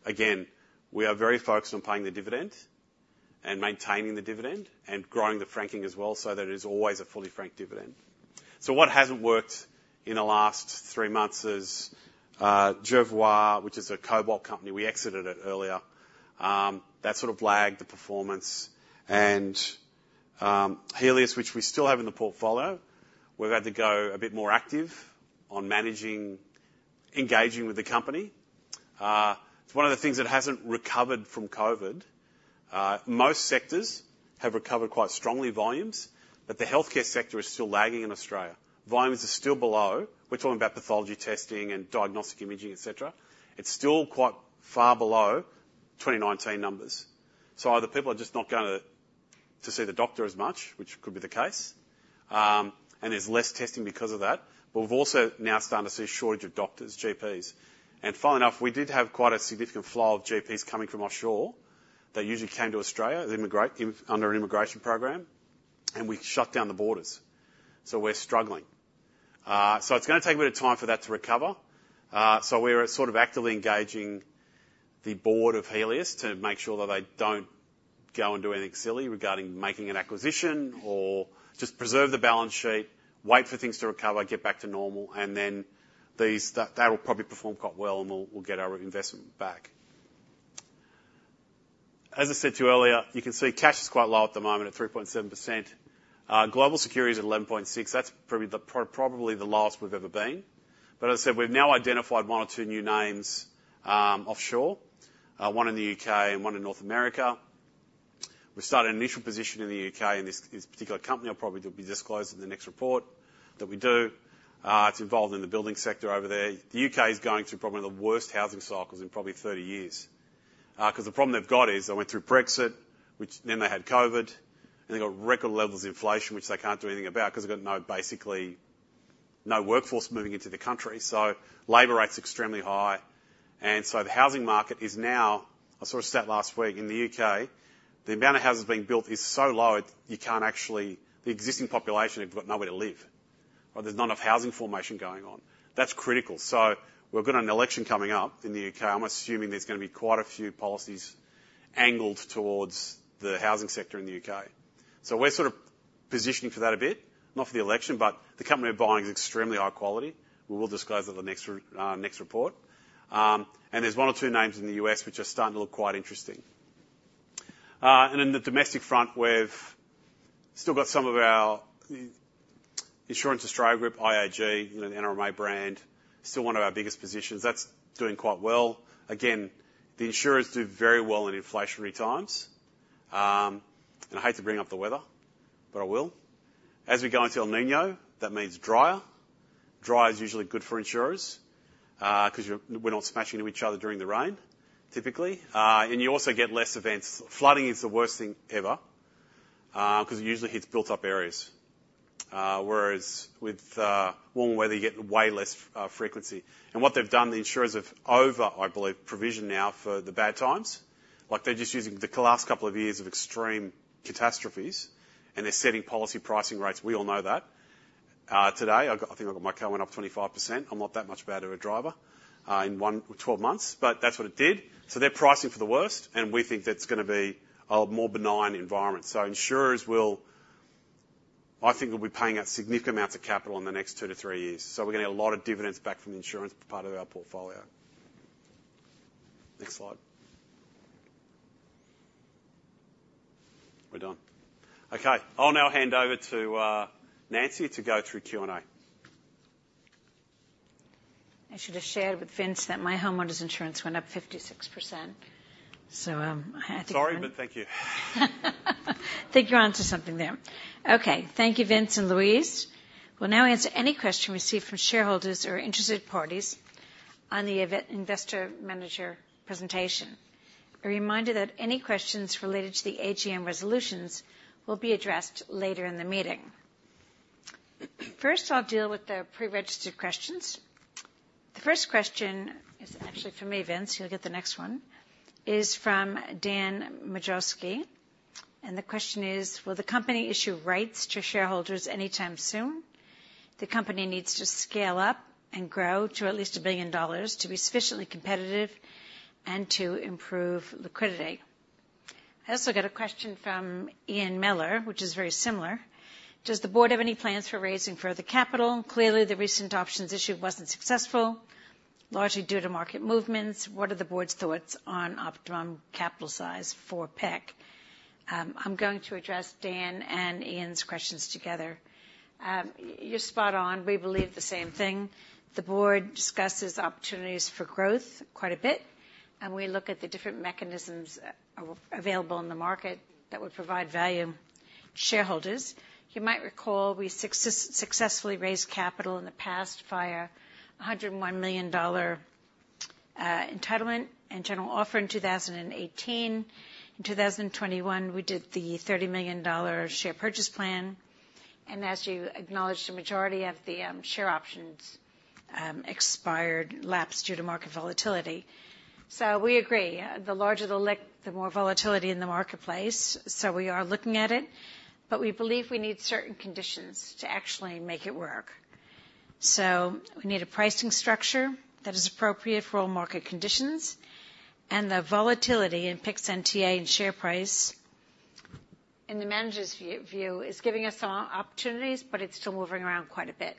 again, we are very focused on paying the dividend and maintaining the dividend and growing the franking as well, so that it is always a fully franked dividend. So what hasn't worked in the last three months is, Jervois, which is a cobalt company. We exited it earlier. That sort of lagged the performance. And, Healius, which we still have in the portfolio, we've had to go a bit more active on managing, engaging with the company. It's one of the things that hasn't recovered from COVID. Most sectors have recovered quite strongly volumes, but the healthcare sector is still lagging in Australia. Volumes are still below. We're talking about pathology testing and diagnostic imaging, et cetera. It's still quite far below 2019 numbers. So either people are just not going to, to see the doctor as much, which could be the case, and there's less testing because of that. But we've also now started to see a shortage of doctors, GPs. And funnily enough, we did have quite a significant flow of GPs coming from offshore. They usually came to Australia, immigrate under an immigration program, and we shut down the borders. So we're struggling. So it's gonna take a bit of time for that to recover. So we're sort of actively engaging the board of Healius to make sure that they don't go and do anything silly regarding making an acquisition or just preserve the balance sheet, wait for things to recover, get back to normal, and then these, that will probably perform quite well, and we'll get our investment back. As I said to you earlier, you can see cash is quite low at the moment, at 3.7%. Global securities at 11.6. That's probably the lowest we've ever been. But as I said, we've now identified one or two new names offshore, one in the U.K. and one in North America. We've started an initial position in the U.K., and this particular company will probably be disclosed in the next report that we do. It's involved in the building sector over there. The U.K. is going through probably one of the worst housing cycles in probably 30 years. 'Cause the problem they've got is they went through Brexit, which then they had COVID, and they got record levels of inflation, which they can't do anything about, 'cause they've got no, basically, no workforce moving into the country, so labor rate's extremely high. And so the housing market is now, I saw a stat last week, in the U.K., the amount of houses being built is so low, you can't actually... The existing population, they've got nowhere to live, or there's not enough housing formation going on. That's critical. So we've got an election coming up in the U.K. I'm assuming there's gonna be quite a few policies angled towards the housing sector in the U.K. So we're sort of positioning for that a bit, not for the election, but the company we're buying is extremely high quality. We will disclose that in the next report. And there's one or two names in the U.S. which are starting to look quite interesting. And in the domestic front, we've still got some of our Insurance Australia Group, IAG, you know, the NRMA brand, still one of our biggest positions. That's doing quite well. Again, the insurers do very well in inflationary times. And I hate to bring up the weather, but I will. As we go into El Niño, that means drier. Drier is usually good for insurers, 'cause we're not smashing into each other during the rain, typically. And you also get less events. Flooding is the worst thing ever, 'cause it usually hits built-up areas. Whereas with warmer weather, you get way less frequency. And what they've done, the insurers have over, I believe, provisioned now for the bad times. Like, they're just using the last couple of years of extreme catastrophes, and they're setting policy pricing rates. We all know that. Today, I got, I think I got my car went up 25%. I'm not that much bad of a driver in 12 months, but that's what it did. So they're pricing for the worst, and we think that's gonna be a more benign environment. So insurers will, I think, will be paying out significant amounts of capital in the next 2-3 years. So we're gonna get a lot of dividends back from the insurance part of our portfolio. Next slide. We're done. Okay, I'll now hand over to Nancy to go through Q&A. I should have shared with Vince that my homeowner's insurance went up 56%, so, I had to- Sorry, but thank you. I think you're onto something there. Okay. Thank you, Vince and Louise. We'll now answer any question received from shareholders or interested parties on the event, investor manager presentation. A reminder that any questions related to the AGM resolutions will be addressed later in the meeting. First, I'll deal with the pre-registered questions. The first question is actually from me, Vince, you'll get the next one, is from Dan Majowski, and the question is: "Will the company issue rights to shareholders anytime soon? The company needs to scale up and grow to at least 1 billion dollars to be sufficiently competitive and to improve liquidity." I also got a question from Ian Miller, which is very similar: "Does the board have any plans for raising further capital? Clearly, the recent options issue wasn't successful, largely due to market movements. What are the board's thoughts on optimum capital size for PIC?" I'm going to address Dan and Ian's questions together. You're spot on. We believe the same thing. The board discusses opportunities for growth quite a bit, and we look at the different mechanisms available in the market that would provide value to shareholders. You might recall we successfully raised capital in the past via 101 million dollar entitlement and general offer in 2018. In 2021, we did the 30 million dollar share purchase plan, and as you acknowledged, the majority of the share options expired, lapsed due to market volatility. So we agree, the larger the LIC, the more volatility in the marketplace. So we are looking at it, but we believe we need certain conditions to actually make it work. So we need a pricing structure that is appropriate for all market conditions, and the volatility in PIC's NTA and share price, in the manager's view, is giving us some opportunities, but it's still moving around quite a bit.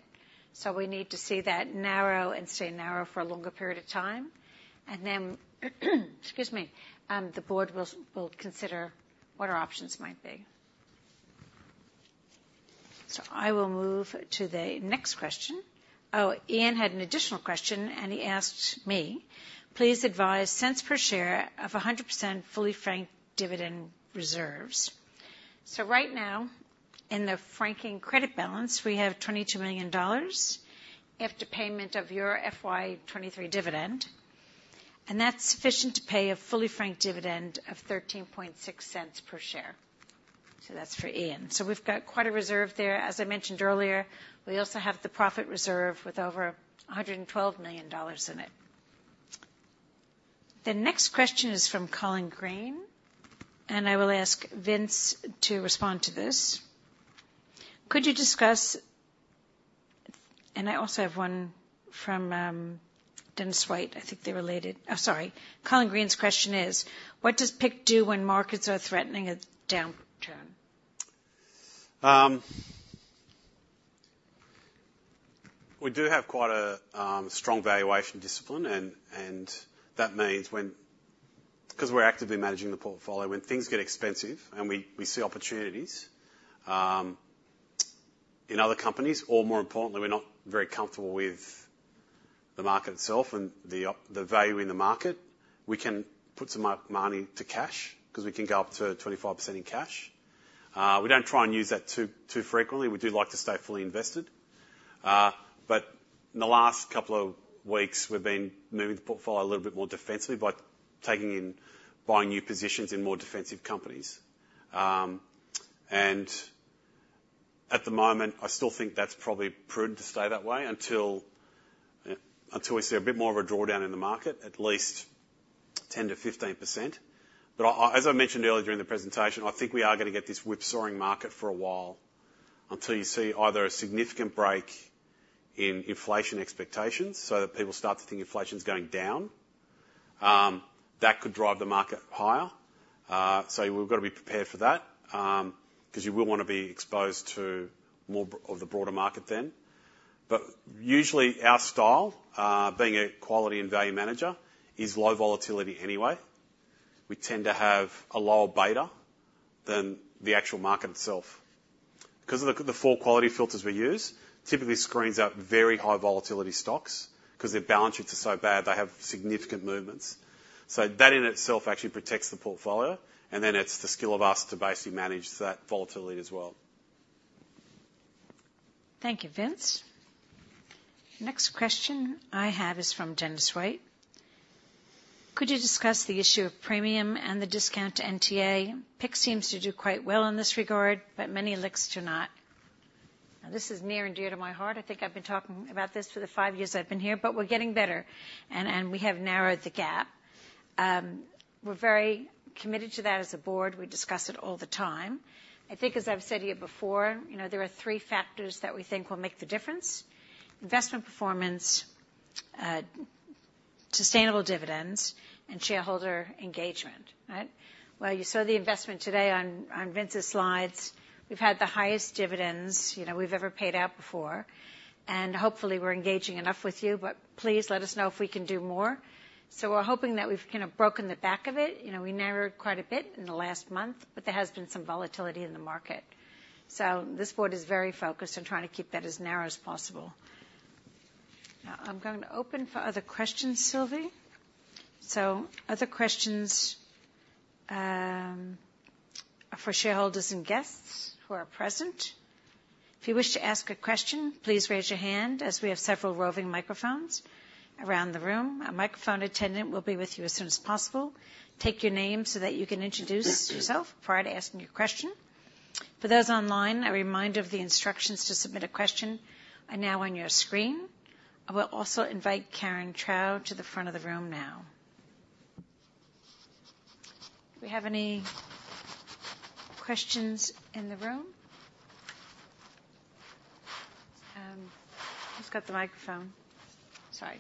So we need to see that narrow and stay narrow for a longer period of time. And then, excuse me, the board will consider what our options might be. So I will move to the next question. Oh, Ian had an additional question, and he asked me, "Please advise cents per share of a 100% fully franked dividend reserves." So right now, in the franking credit balance, we have 22 million dollars after payment of your FY 2023 dividend, and that's sufficient to pay a fully franked dividend of 0.136 per share. So that's for Ian. So we've got quite a reserve there. As I mentioned earlier, we also have the profit reserve with over 112 million dollars in it. The next question is from Colin Green, and I will ask Vince to respond to this. "Could you discuss..." And I also have one from, Dennis White. I think they're related. Oh, sorry. Colin Green's question is: "What does PIC do when markets are threatening a downturn? We do have quite a strong valuation discipline, and that means when 'cause we're actively managing the portfolio, when things get expensive and we see opportunities in other companies, or more importantly, we're not very comfortable with the market itself and the overall value in the market, we can put some money to cash, 'cause we can go up to 25% in cash. We don't try and use that too frequently. We do like to stay fully invested. But in the last couple of weeks, we've been moving the portfolio a little bit more defensively by taking in, buying new positions in more defensive companies. And at the moment, I still think that's probably prudent to stay that way until we see a bit more of a drawdown in the market, at least 10%-15%. But I as I mentioned earlier during the presentation, I think we are gonna get this whip-sawing market for a while, until you see either a significant break in inflation expectations, so that people start to think inflation is going down. That could drive the market higher. So we've got to be prepared for that, 'cause you will wanna be exposed to more of the broader market then.... But usually our style, being a quality and value manager, is low volatility anyway. We tend to have a lower beta than the actual market itself. Because of the four quality filters we use, typically screens out very high volatility stocks, 'cause their balance sheets are so bad, they have significant movements. So that in itself actually protects the portfolio, and then it's the skill of us to basically manage that volatility as well. Thank you, Vince. Next question I have is from Dennis White. Could you discuss the issue of premium and the discount to NTA? PIC seems to do quite well in this regard, but many LICs do not. Now, this is near and dear to my heart. I think I've been talking about this for the five years I've been here, but we're getting better, and, and we have narrowed the gap. We're very committed to that as a board. We discuss it all the time. I think as I've said to you before, you know, there are three factors that we think will make the difference: investment performance, sustainable dividends, and shareholder engagement. Right? Well, you saw the investment today on, on Vince's slides. We've had the highest dividends, you know, we've ever paid out before, and hopefully we're engaging enough with you, but please let us know if we can do more. So we're hoping that we've kinda broken the back of it. You know, we narrowed quite a bit in the last month, but there has been some volatility in the market. So this board is very focused on trying to keep that as narrow as possible. Now, I'm going to open for other questions, Sylvie. So other questions for shareholders and guests who are present. If you wish to ask a question, please raise your hand as we have several roving microphones around the room. A microphone attendant will be with you as soon as possible. Take your name so that you can introduce yourself prior to asking your question. For those online, a reminder of the instructions to submit a question are now on your screen. I will also invite Karen Trau to the front of the room now. Do we have any questions in the room? Who's got the microphone? Sorry.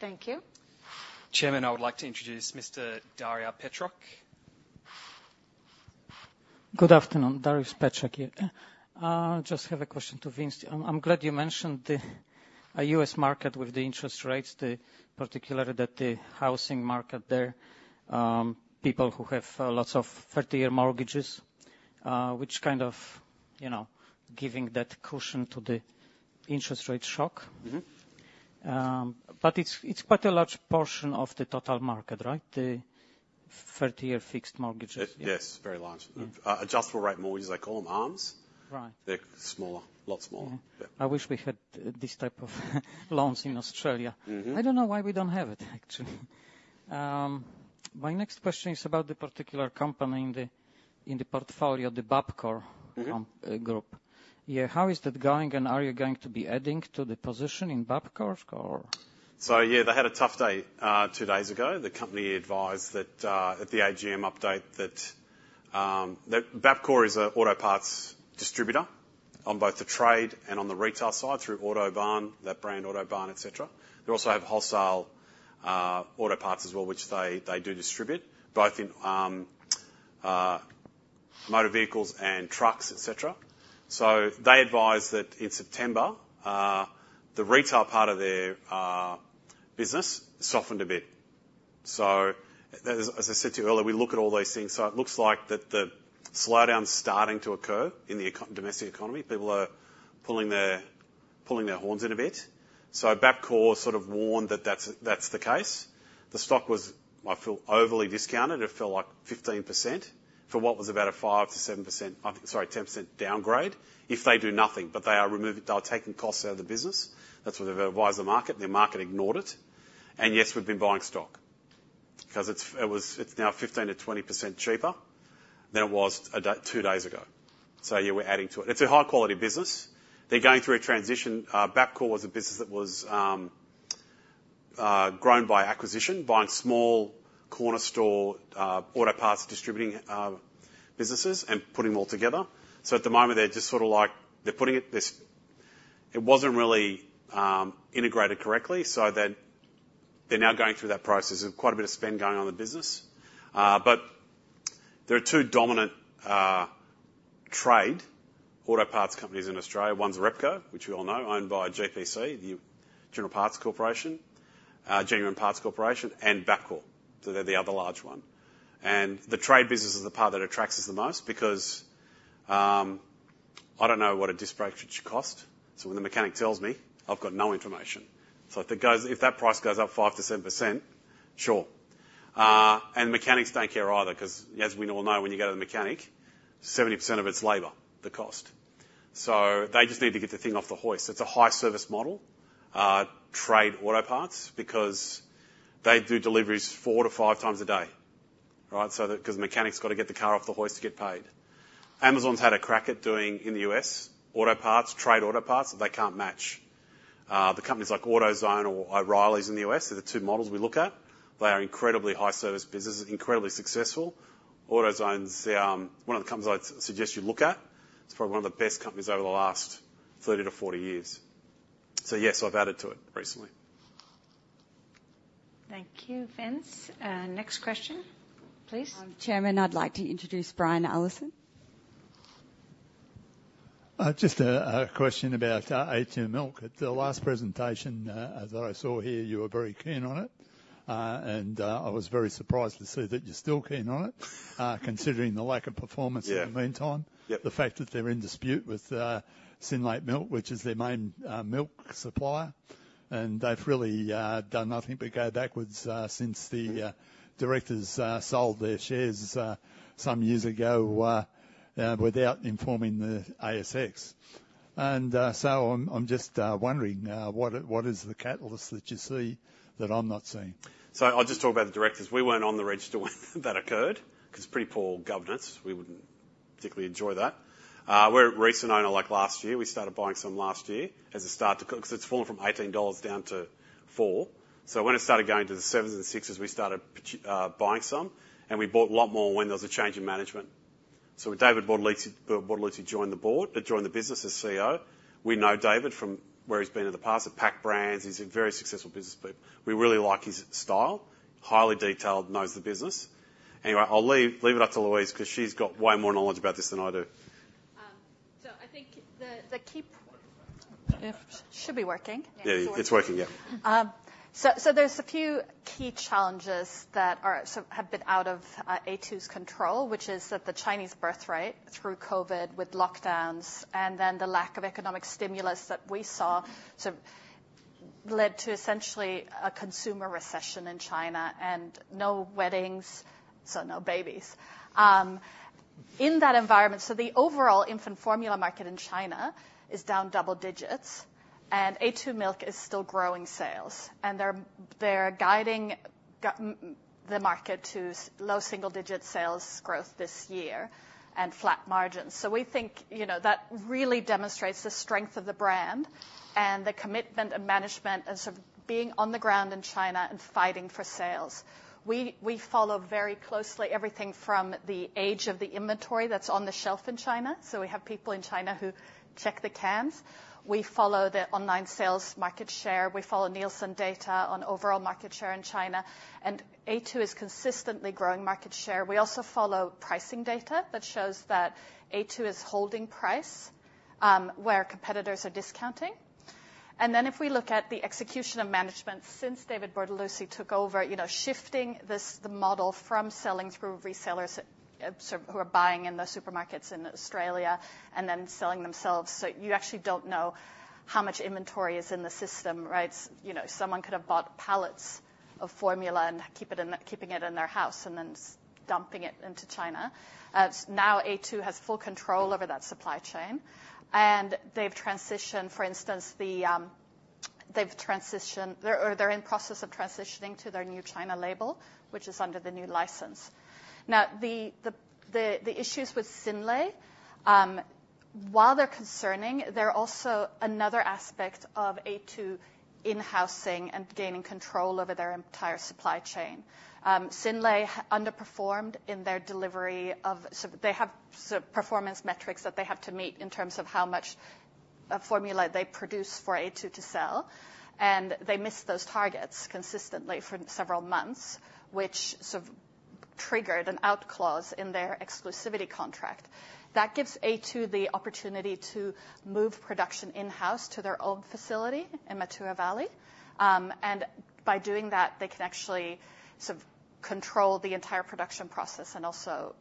Thank you. Chairman, I would like to introduce Mr. Darius Petrok. Good afternoon. Darius Petrok here. Just have a question to Vince. I'm glad you mentioned the U.S. market with the interest rates, particularly that the housing market there, people who have lots of 30-year mortgages, which kind of, you know, giving that cushion to the interest rate shock. Mm-hmm. But it's, it's quite a large portion of the total market, right? The 30-year fixed mortgages. Yes, very large. Mm. Adjustable-rate mortgages, they call them ARMs. Right. They're smaller, a lot smaller. Yeah. Yeah. I wish we had this type of loans in Australia. Mm-hmm. I don't know why we don't have it, actually. My next question is about the particular company in the portfolio, the Bapcor- Mm-hmm Group. Yeah, how is that going, and are you going to be adding to the position in Bapcor or? So, yeah, they had a tough day, two days ago. The company advised that, at the AGM update, that, that Bapcor is a auto parts distributor on both the trade and on the retail side through Autobarn, that brand, Autobarn, et cetera. They also have wholesale, auto parts as well, which they, they do distribute, both in, motor vehicles and trucks, et cetera. So they advise that in September, the retail part of their, business softened a bit. So as, as I said to you earlier, we look at all these things. So it looks like that the slowdown's starting to occur in the domestic economy. People are pulling their, pulling their horns in a bit. So Bapcor sort of warned that that's, that's the case. The stock was, I feel, overly discounted. It fell, like, 15% for what was about a 5%-7%, sorry, 10% downgrade, if they do nothing. But they are removing - they are taking costs out of the business. That's what they've advised the market, and the market ignored it. And yes, we've been buying stock because it's, it was, it's now 15%-20% cheaper than it was a day, two days ago. So yeah, we're adding to it. It's a high-quality business. They're going through a transition. Bapcor was a business that was grown by acquisition, buying small corner store auto parts, distributing businesses and putting them all together. So at the moment, they're just sort of like, they're putting it this... It wasn't really integrated correctly, so then they're now going through that process of quite a bit of spend going on in the business. But there are two dominant trade auto parts companies in Australia. One's Repco, which we all know, owned by GPC, the Genuine Parts Corporation, and Bapcor. So they're the other large one. And the trade business is the part that attracts us the most because I don't know what a disc brake should cost, so when the mechanic tells me, I've got no information. So if that price goes up 5%-10%, sure. And mechanics don't care either, 'cause as we all know, when you go to the mechanic, 70% of it's labor, the cost. So they just need to get the thing off the hoist. It's a high-service model, trade auto parts, because they do deliveries four to five times a day, right? So the, 'cause the mechanic's got to get the car off the hoist to get paid. Amazon's had a crack at doing in the U.S., auto parts, trade auto parts, but they can't match. The companies like AutoZone or O'Reilly's in the U.S. are the two models we look at. They are incredibly high-service businesses, incredibly successful. AutoZone's one of the companies I'd suggest you look at. It's probably one of the best companies over the last 30-40 years.... So yes, I've added to it recently. Thank you, Vince. Next question, please. Chairman, I'd like to introduce Brian Allison. Just a question about A2 Milk. At the last presentation, as I saw here, you were very keen on it. And I was very surprised to see that you're still keen on it, considering the lack of performance- Yeah in the meantime. Yep. The fact that they're in dispute with Synlait Milk, which is their main milk supplier, and they've really done nothing but go backwards since the directors sold their shares some years ago without informing the ASX. And so I'm just wondering what the catalyst that you see that I'm not seeing? So I'll just talk about the directors. We weren't on the register when that occurred, 'cause pretty poor governance. We wouldn't particularly enjoy that. We're a recent owner, like last year. We started buying some last year as a start to... 'Cause it's fallen from 18 dollars down to 4. So when it started going to the 7s and 6s, we started buying some, and we bought a lot more when there was a change in management. So when David Bortolussi joined the board, joined the business as CEO, we know David from where he's been in the past, at Pacific Brands. He's a very successful business person. We really like his style, highly detailed, knows the business. Anyway, I'll leave it up to Louise, 'cause she's got way more knowledge about this than I do. So, I think the key. It should be working. Yeah, it's working, yeah. So, there's a few key challenges that are sort of have been out of A2's control, which is that the Chinese birth rate through COVID with lockdowns and then the lack of economic stimulus that we saw sort of led to essentially a consumer recession in China and no weddings, so no babies. In that environment, so the overall infant formula market in China is down double digits, and A2 Milk is still growing sales, and they're guiding the market to slow single-digit sales growth this year and flat margins. So we think, you know, that really demonstrates the strength of the brand and the commitment of management and sort of being on the ground in China and fighting for sales. We follow very closely everything from the age of the inventory that's on the shelf in China, so we have people in China who check the cans. We follow the online sales market share. We follow Nielsen data on overall market share in China, and A2 is consistently growing market share. We also follow pricing data that shows that A2 is holding price, where competitors are discounting. And then, if we look at the execution of management since David Bortolussi took over, you know, shifting this, the model from selling through resellers, sort of who are buying in the supermarkets in Australia and then selling themselves, so you actually don't know how much inventory is in the system, right? You know, someone could have bought pallets of formula and keep it in, keeping it in their house and then dumping it into China. Now A2 has full control over that supply chain, and they've transitioned, for instance, they've transitioned or they're in process of transitioning to their new Chinese label, which is under the new license. Now, the issues with Synlait, while they're concerning, they're also another aspect of A2 in-housing and gaining control over their entire supply chain. Synlait underperformed in their delivery of. So they have sort of performance metrics that they have to meet in terms of how much formula they produce for A2 to sell, and they missed those targets consistently for several months, which sort of triggered an out clause in their exclusivity contract. That gives A2 the opportunity to move production in-house to their own facility in Mataura Valley. And by doing that, they can actually sort of control the entire production process and also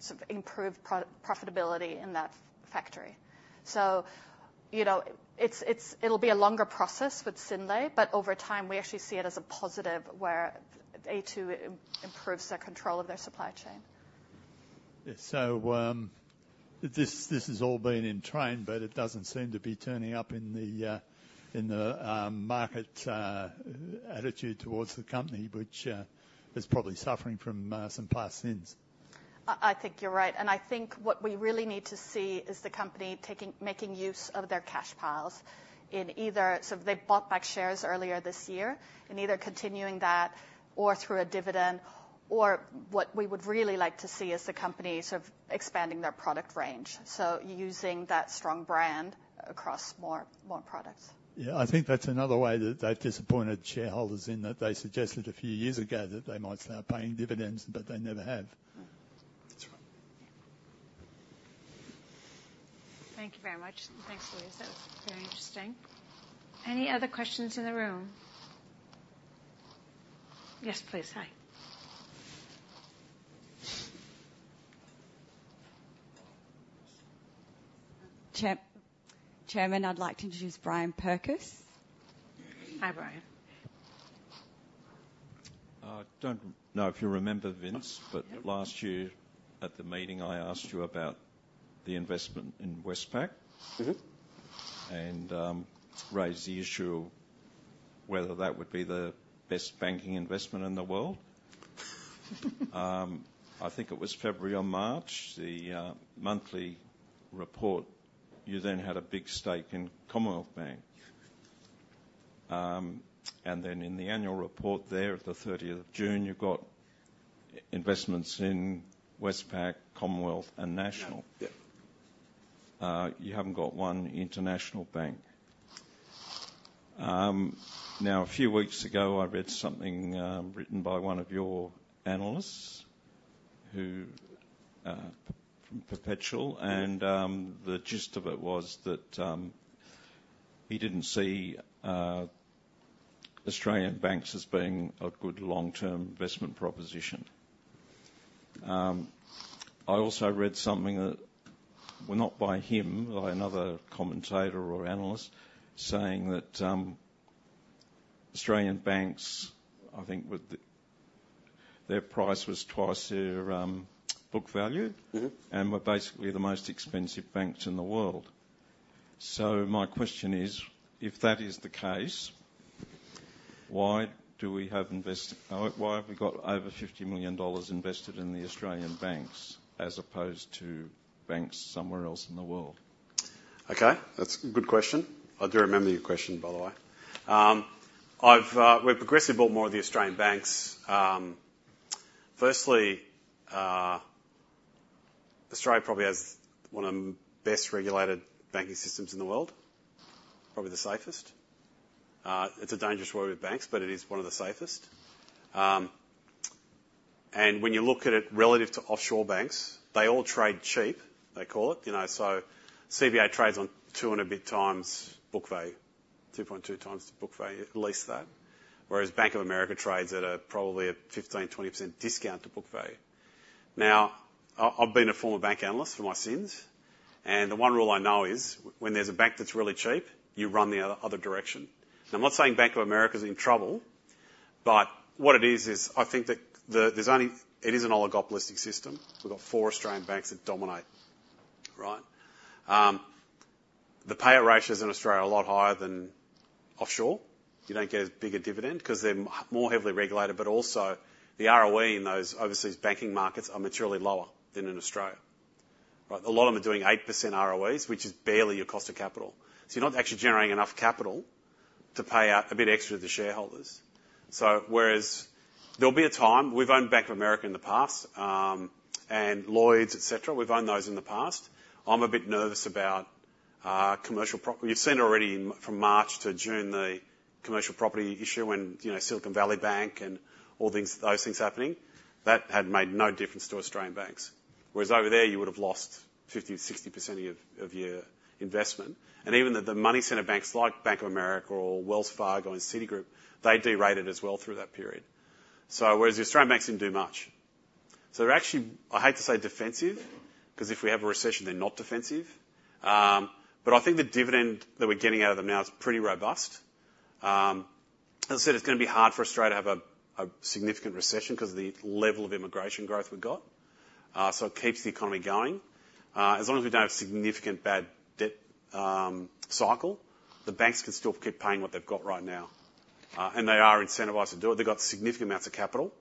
sort of improve profitability in that factory. So, you know, it'll be a longer process with Synlait, but over time, we actually see it as a positive where A2 improves their control of their supply chain. Yeah, so, this, this has all been in train, but it doesn't seem to be turning up in the market attitude towards the company, which is probably suffering from some past sins. I think you're right, and I think what we really need to see is the company making use of their cash piles in either... So they bought back shares earlier this year, in either continuing that or through a dividend, or what we would really like to see is the company sort of expanding their product range, so using that strong brand across more, more products. Yeah, I think that's another way that they've disappointed shareholders in that they suggested a few years ago that they might start paying dividends, but they never have. Mm. That's right. Thank you very much. Thanks, Louise. That was very interesting. Any other questions in the room? Yes, please. Hi. Chairman, I'd like to introduce Brian Perkis. Hi, Brian. I don't know if you remember, Vince, but- Yep... last year at the meeting, I asked you about the investment in Westpac. Mm-hmm. raised the issue of whether that would be the best banking investment in the world. I think it was February or March, the monthly report, you then had a big stake in Commonwealth Bank. And then in the annual report there of the thirtieth of June, you've got investments in Westpac, Commonwealth, and National. Yeah. Yeah. You haven't got one international bank. Now, a few weeks ago, I read something written by one of your analysts, who from Perpetual, and the gist of it was that he didn't see Australian banks as being a good long-term investment proposition. I also read something that, well, not by him, by another commentator or analyst, saying that Australian banks, I think with the, their price was twice their book value. Mm-hmm. They're basically the most expensive banks in the world. So my question is, if that is the case, why have we got over 50 million dollars invested in the Australian banks as opposed to banks somewhere else in the world? Okay, that's a good question. I do remember your question, by the way. I've, we've progressively bought more of the Australian banks. Firstly, Australia probably has one of the best regulated banking systems in the world, probably the safest. It's a dangerous world with banks, but it is one of the safest. And when you look at it relative to offshore banks, they all trade cheap, they call it. You know, so CBA trades on 2+ times book value, 2.2 times the book value, at least that. Whereas Bank of America trades at a probably a 15%-20% discount to book value. Now, I've been a former bank analyst for my sins, and the one rule I know is, when there's a bank that's really cheap, you run the other direction. I'm not saying Bank of America is in trouble, but what it is, is I think that there's only it is an oligopolistic system. We've got four Australian banks that dominate, right? The payout ratios in Australia are a lot higher than offshore. You don't get as big a dividend because they're more heavily regulated, but also the ROE in those overseas banking markets are materially lower than in Australia, right? A lot of them are doing 8% ROEs, which is barely your cost of capital. So you're not actually generating enough capital to pay out a bit extra to the shareholders. So whereas there'll be a time, we've owned Bank of America in the past, and Lloyds, et cetera. We've owned those in the past. I'm a bit nervous about commercial property. You've seen already from March to June, the commercial property issue and, you know, Silicon Valley Bank and all things, those things happening, that had made no difference to Australian banks. Whereas over there, you would have lost 50%-60% of your investment. And even the money center banks like Bank of America or Wells Fargo and Citigroup, they derated as well through that period. So whereas the Australian banks didn't do much. So they're actually, I hate to say, defensive, 'cause if we have a recession, they're not defensive. But I think the dividend that we're getting out of them now is pretty robust. As I said, it's gonna be hard for Australia to have a significant recession because of the level of immigration growth we've got. So it keeps the economy going. As long as we don't have significant bad debt cycle, the banks can still keep paying what they've got right now, and they are incentivized to do it. They've got significant amounts of capital.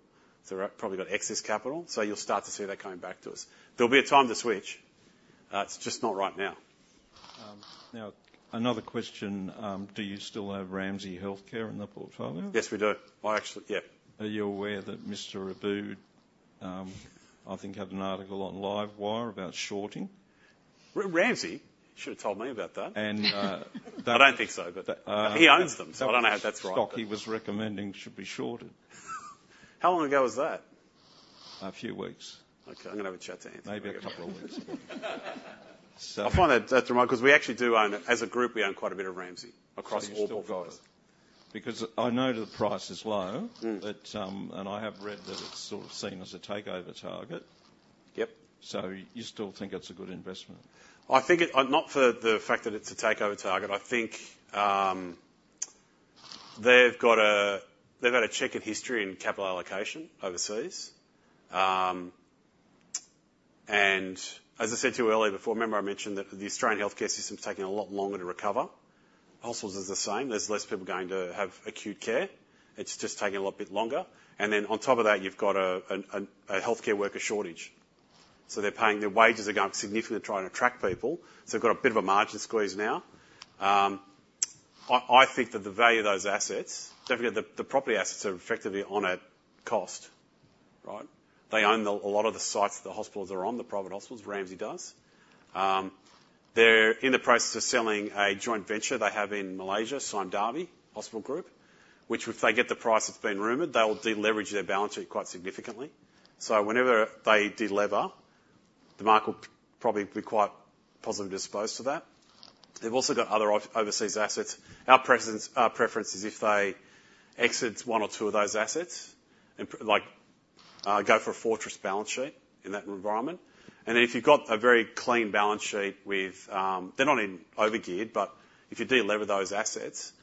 They've probably got excess capital, so you'll start to see that coming back to us. There'll be a time to switch, it's just not right now. Now, another question: Do you still have Ramsay Health Care in the portfolio? Yes, we do. I actually, yeah. Are you aware that Mr. Aboud, I think, had an article on Livewire about shorting? Ramsay? You should have told me about that. And, that- I don't think so, but he owns them, so I don't know how that's right. Stock he was recommending should be shorted. How long ago was that? A few weeks. Okay, I'm gonna have a chat to him. Maybe a couple of weeks. I find that remarkable, 'cause we actually do own, as a group, we own quite a bit of Ramsay across all- So you've still got it? Because I know the price is low. Mm. I have read that it's sort of seen as a takeover target. Yep. You still think it's a good investment? I think not for the fact that it's a takeover target. I think they've got a chequered history in capital allocation overseas. And as I said to you earlier, before, remember I mentioned that the Australian healthcare system is taking a lot longer to recover. Hospitals is the same. There's less people going to have acute care. It's just taking a lot bit longer. And then on top of that, you've got a healthcare worker shortage. So they're paying, their wages are going up significantly trying to attract people, so they've got a bit of a margin squeeze now. I think that the value of those assets, don't forget, the property assets are effectively at cost, right? They own a lot of the sites the hospitals are on, the private hospitals, Ramsay does. They're in the process of selling a joint venture they have in Malaysia, Sunway Hospital Group, which if they get the price that's been rumored, they will de-leverage their balance sheet quite significantly. So whenever they de-lever, the market will probably be quite positively disposed to that. They've also got other overseas assets. Our presence, our preference is if they exit one or two of those assets, and like, go for a fortress balance sheet in that environment. And then if you've got a very clean balance sheet with... They're not even overgeared, but if you de-lever those assets,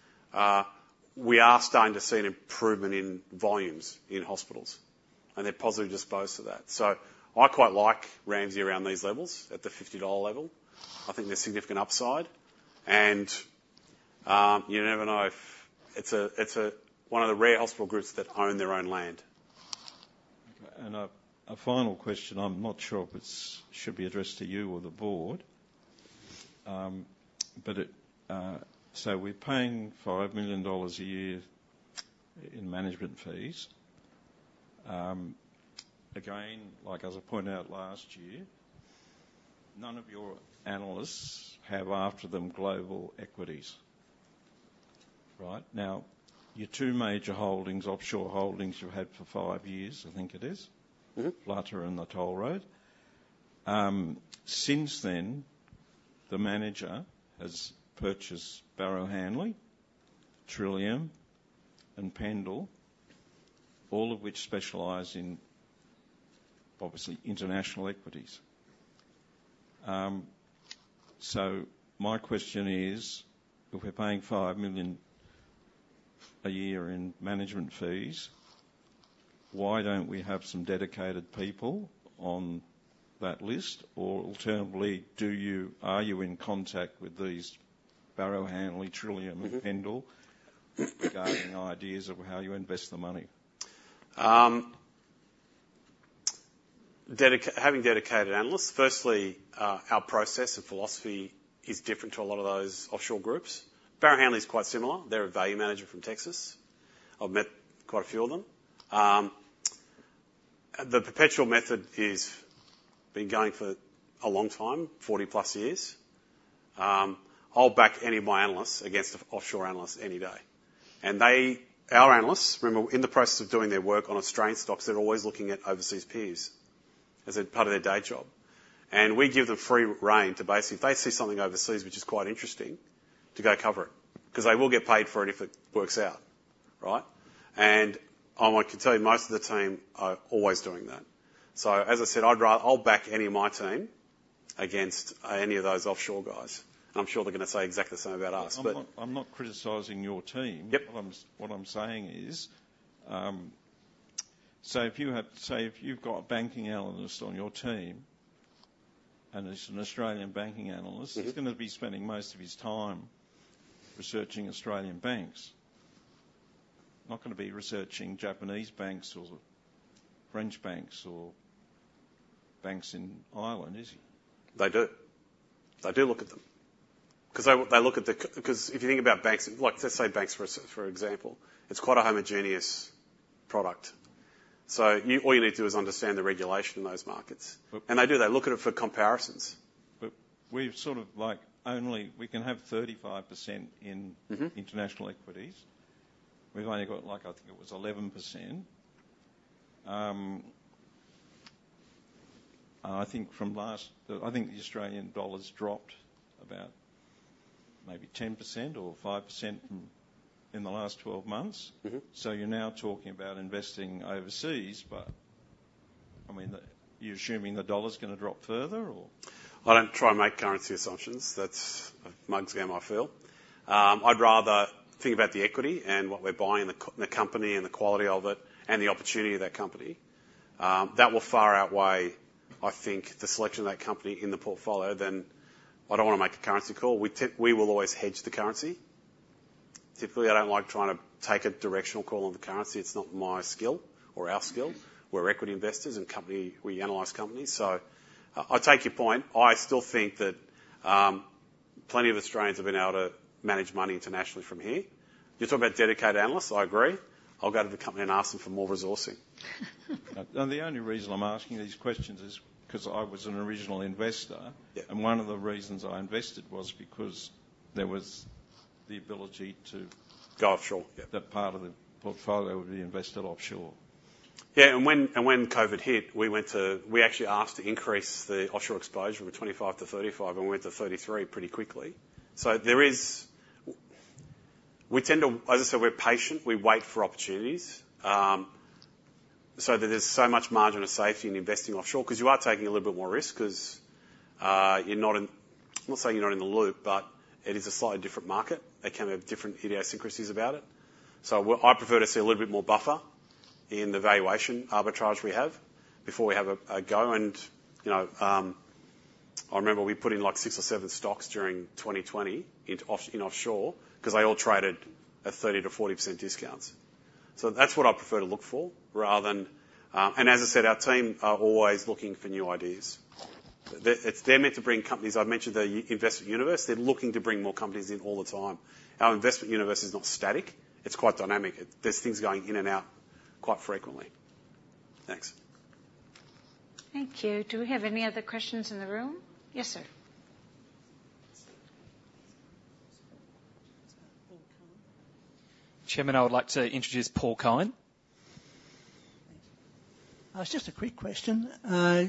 we are starting to see an improvement in volumes in hospitals, and they're positively disposed to that. So I quite like Ramsay around these levels, at the 50 dollar level. I think there's significant upside, and you never know if it's one of the rare hospital groups that own their own land. ... And a final question. I'm not sure if it should be addressed to you or the board. But so we're paying 5 million dollars a year in management fees. Again, like as I pointed out last year, none of your analysts have after them global equities, right? Now, your 2 major holdings, offshore holdings you've had for 5 years, I think it is- Mm-hmm. Flutter and the Toll Road. Since then, the manager has purchased Barrow Hanley, Trillium, and Pendal, all of which specialize in, obviously, international equities. So my question is: if we're paying 5 million a year in management fees, why don't we have some dedicated people on that list? Or alternatively, do you-- are you in contact with these Barrow Hanley, Trillium, and Pendal- Mm-hmm. Regarding ideas of how you invest the money? Having dedicated analysts. Firstly, our process and philosophy is different to a lot of those offshore groups. Barrow Hanley is quite similar. They're a value manager from Texas. I've met quite a few of them. The Perpetual method is been going for a long time, 40-plus years. I'll back any of my analysts against the offshore analysts any day. And they, our analysts, remember, in the process of doing their work on Australian stocks, they're always looking at overseas peers as a part of their day job. And we give them free rein to basically, if they see something overseas, which is quite interesting, to go cover it, 'cause they will get paid for it if it works out, right? And I can tell you, most of the team are always doing that. So as I said, I'll back any of my team against any of those offshore guys, and I'm sure they're gonna say exactly the same about us, but- I'm not, I'm not criticizing your team. Yep. What I'm saying is, so if you have, say, if you've got a banking analyst on your team, and it's an Australian banking analyst- Mm-hmm. He's gonna be spending most of his time researching Australian banks. Not gonna be researching Japanese banks or French banks or banks in Ireland, is he? They do. They do look at them. 'Cause they, they look at the because if you think about banks, like, let's say banks, for example, it's quite a homogeneous product. So you, all you need to do is understand the regulation in those markets. But- They do, they look at it for comparisons. But we've sort of like, only... We can have 35% in- Mm-hmm... international equities. We've only got, like, I think it was 11%. I think from last, I think the Australian dollar's dropped about maybe 10% or 5% in the last 12 months. Mm-hmm. You're now talking about investing overseas, but, I mean, are you assuming the dollar's gonna drop further or? I don't try and make currency assumptions. That's a mug's game, I feel. I'd rather think about the equity and what we're buying, the company and the quality of it, and the opportunity of that company. That will far outweigh, I think, the selection of that company in the portfolio than... I don't want to make a currency call. We will always hedge the currency. Typically, I don't like trying to take a directional call on the currency. It's not my skill or our skill. We're equity investors, and we analyze companies. So I take your point. I still think that plenty of Australians have been able to manage money internationally from here. You're talking about dedicated analysts, I agree. I'll go to the company and ask them for more resourcing. Now, the only reason I'm asking these questions is because I was an original investor. Yeah. And one of the reasons I invested was because there was the ability to- Go offshore, yeah.... That part of the portfolio would be invested offshore. Yeah, and when COVID hit, we went to—we actually asked to increase the offshore exposure from 25 to 35, and we went to 33 pretty quickly. So there is... We tend to, as I said, we're patient, we wait for opportunities, so that there's so much margin of safety in investing offshore, 'cause you are taking a little bit more risk, 'cause you're not in—I'm not saying you're not in the loop, but it is a slightly different market. They can have different idiosyncrasies about it. So I prefer to see a little bit more buffer in the valuation arbitrage we have before we have a go. And, you know, I remember we put in, like, 6 or 7 stocks during 2020 into offshore, 'cause they all traded at 30%-40% discounts. So that's what I prefer to look for, rather than... And as I said, our team are always looking for new ideas. They're meant to bring companies. I've mentioned the investment universe. They're looking to bring more companies in all the time. Our investment universe is not static. It's quite dynamic. There's things going in and out quite frequently. Thanks. Thank you. Do we have any other questions in the room? Yes, sir. I think Colin. Chairman, I would like to introduce Paul Collins. It's just a quick question.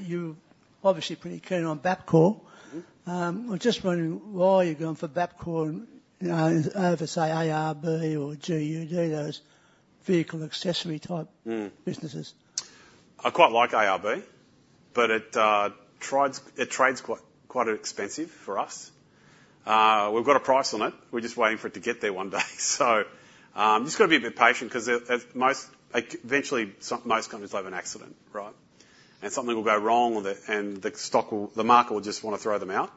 You're obviously pretty keen on Bapcor. Mm-hmm. I'm just wondering why you're going for Bapcor, over, say, ARB or GUD, those vehicle accessory type- Mm... businesses. I quite like ARB, but it trades quite expensive for us. We've got a price on it. We're just waiting for it to get there one day. So, just got to be a bit patient, 'cause it, like, eventually, most companies have an accident, right? And something will go wrong with it, and the stock will, the market will just want to throw them out....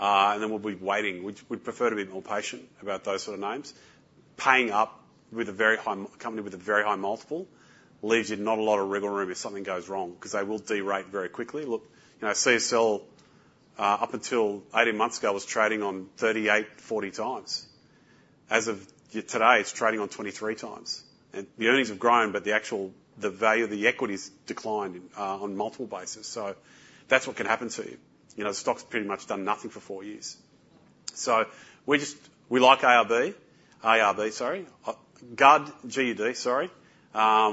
and then we'll be waiting. We'd prefer to be more patient about those sort of names. Paying up with a very high company with a very high multiple leaves you not a lot of wiggle room if something goes wrong, because they will derate very quickly. Look, you know, CSL, up until 18 months ago, was trading on 38x-40x. As of today, it's trading on 23x, and the earnings have grown, but the actual, the value of the equity's declined on multiple bases. So that's what can happen to you. You know, the stock's pretty much done nothing for 4 years. So we just like ARB, ARB, sorry. GUD, G-U-D, sorry.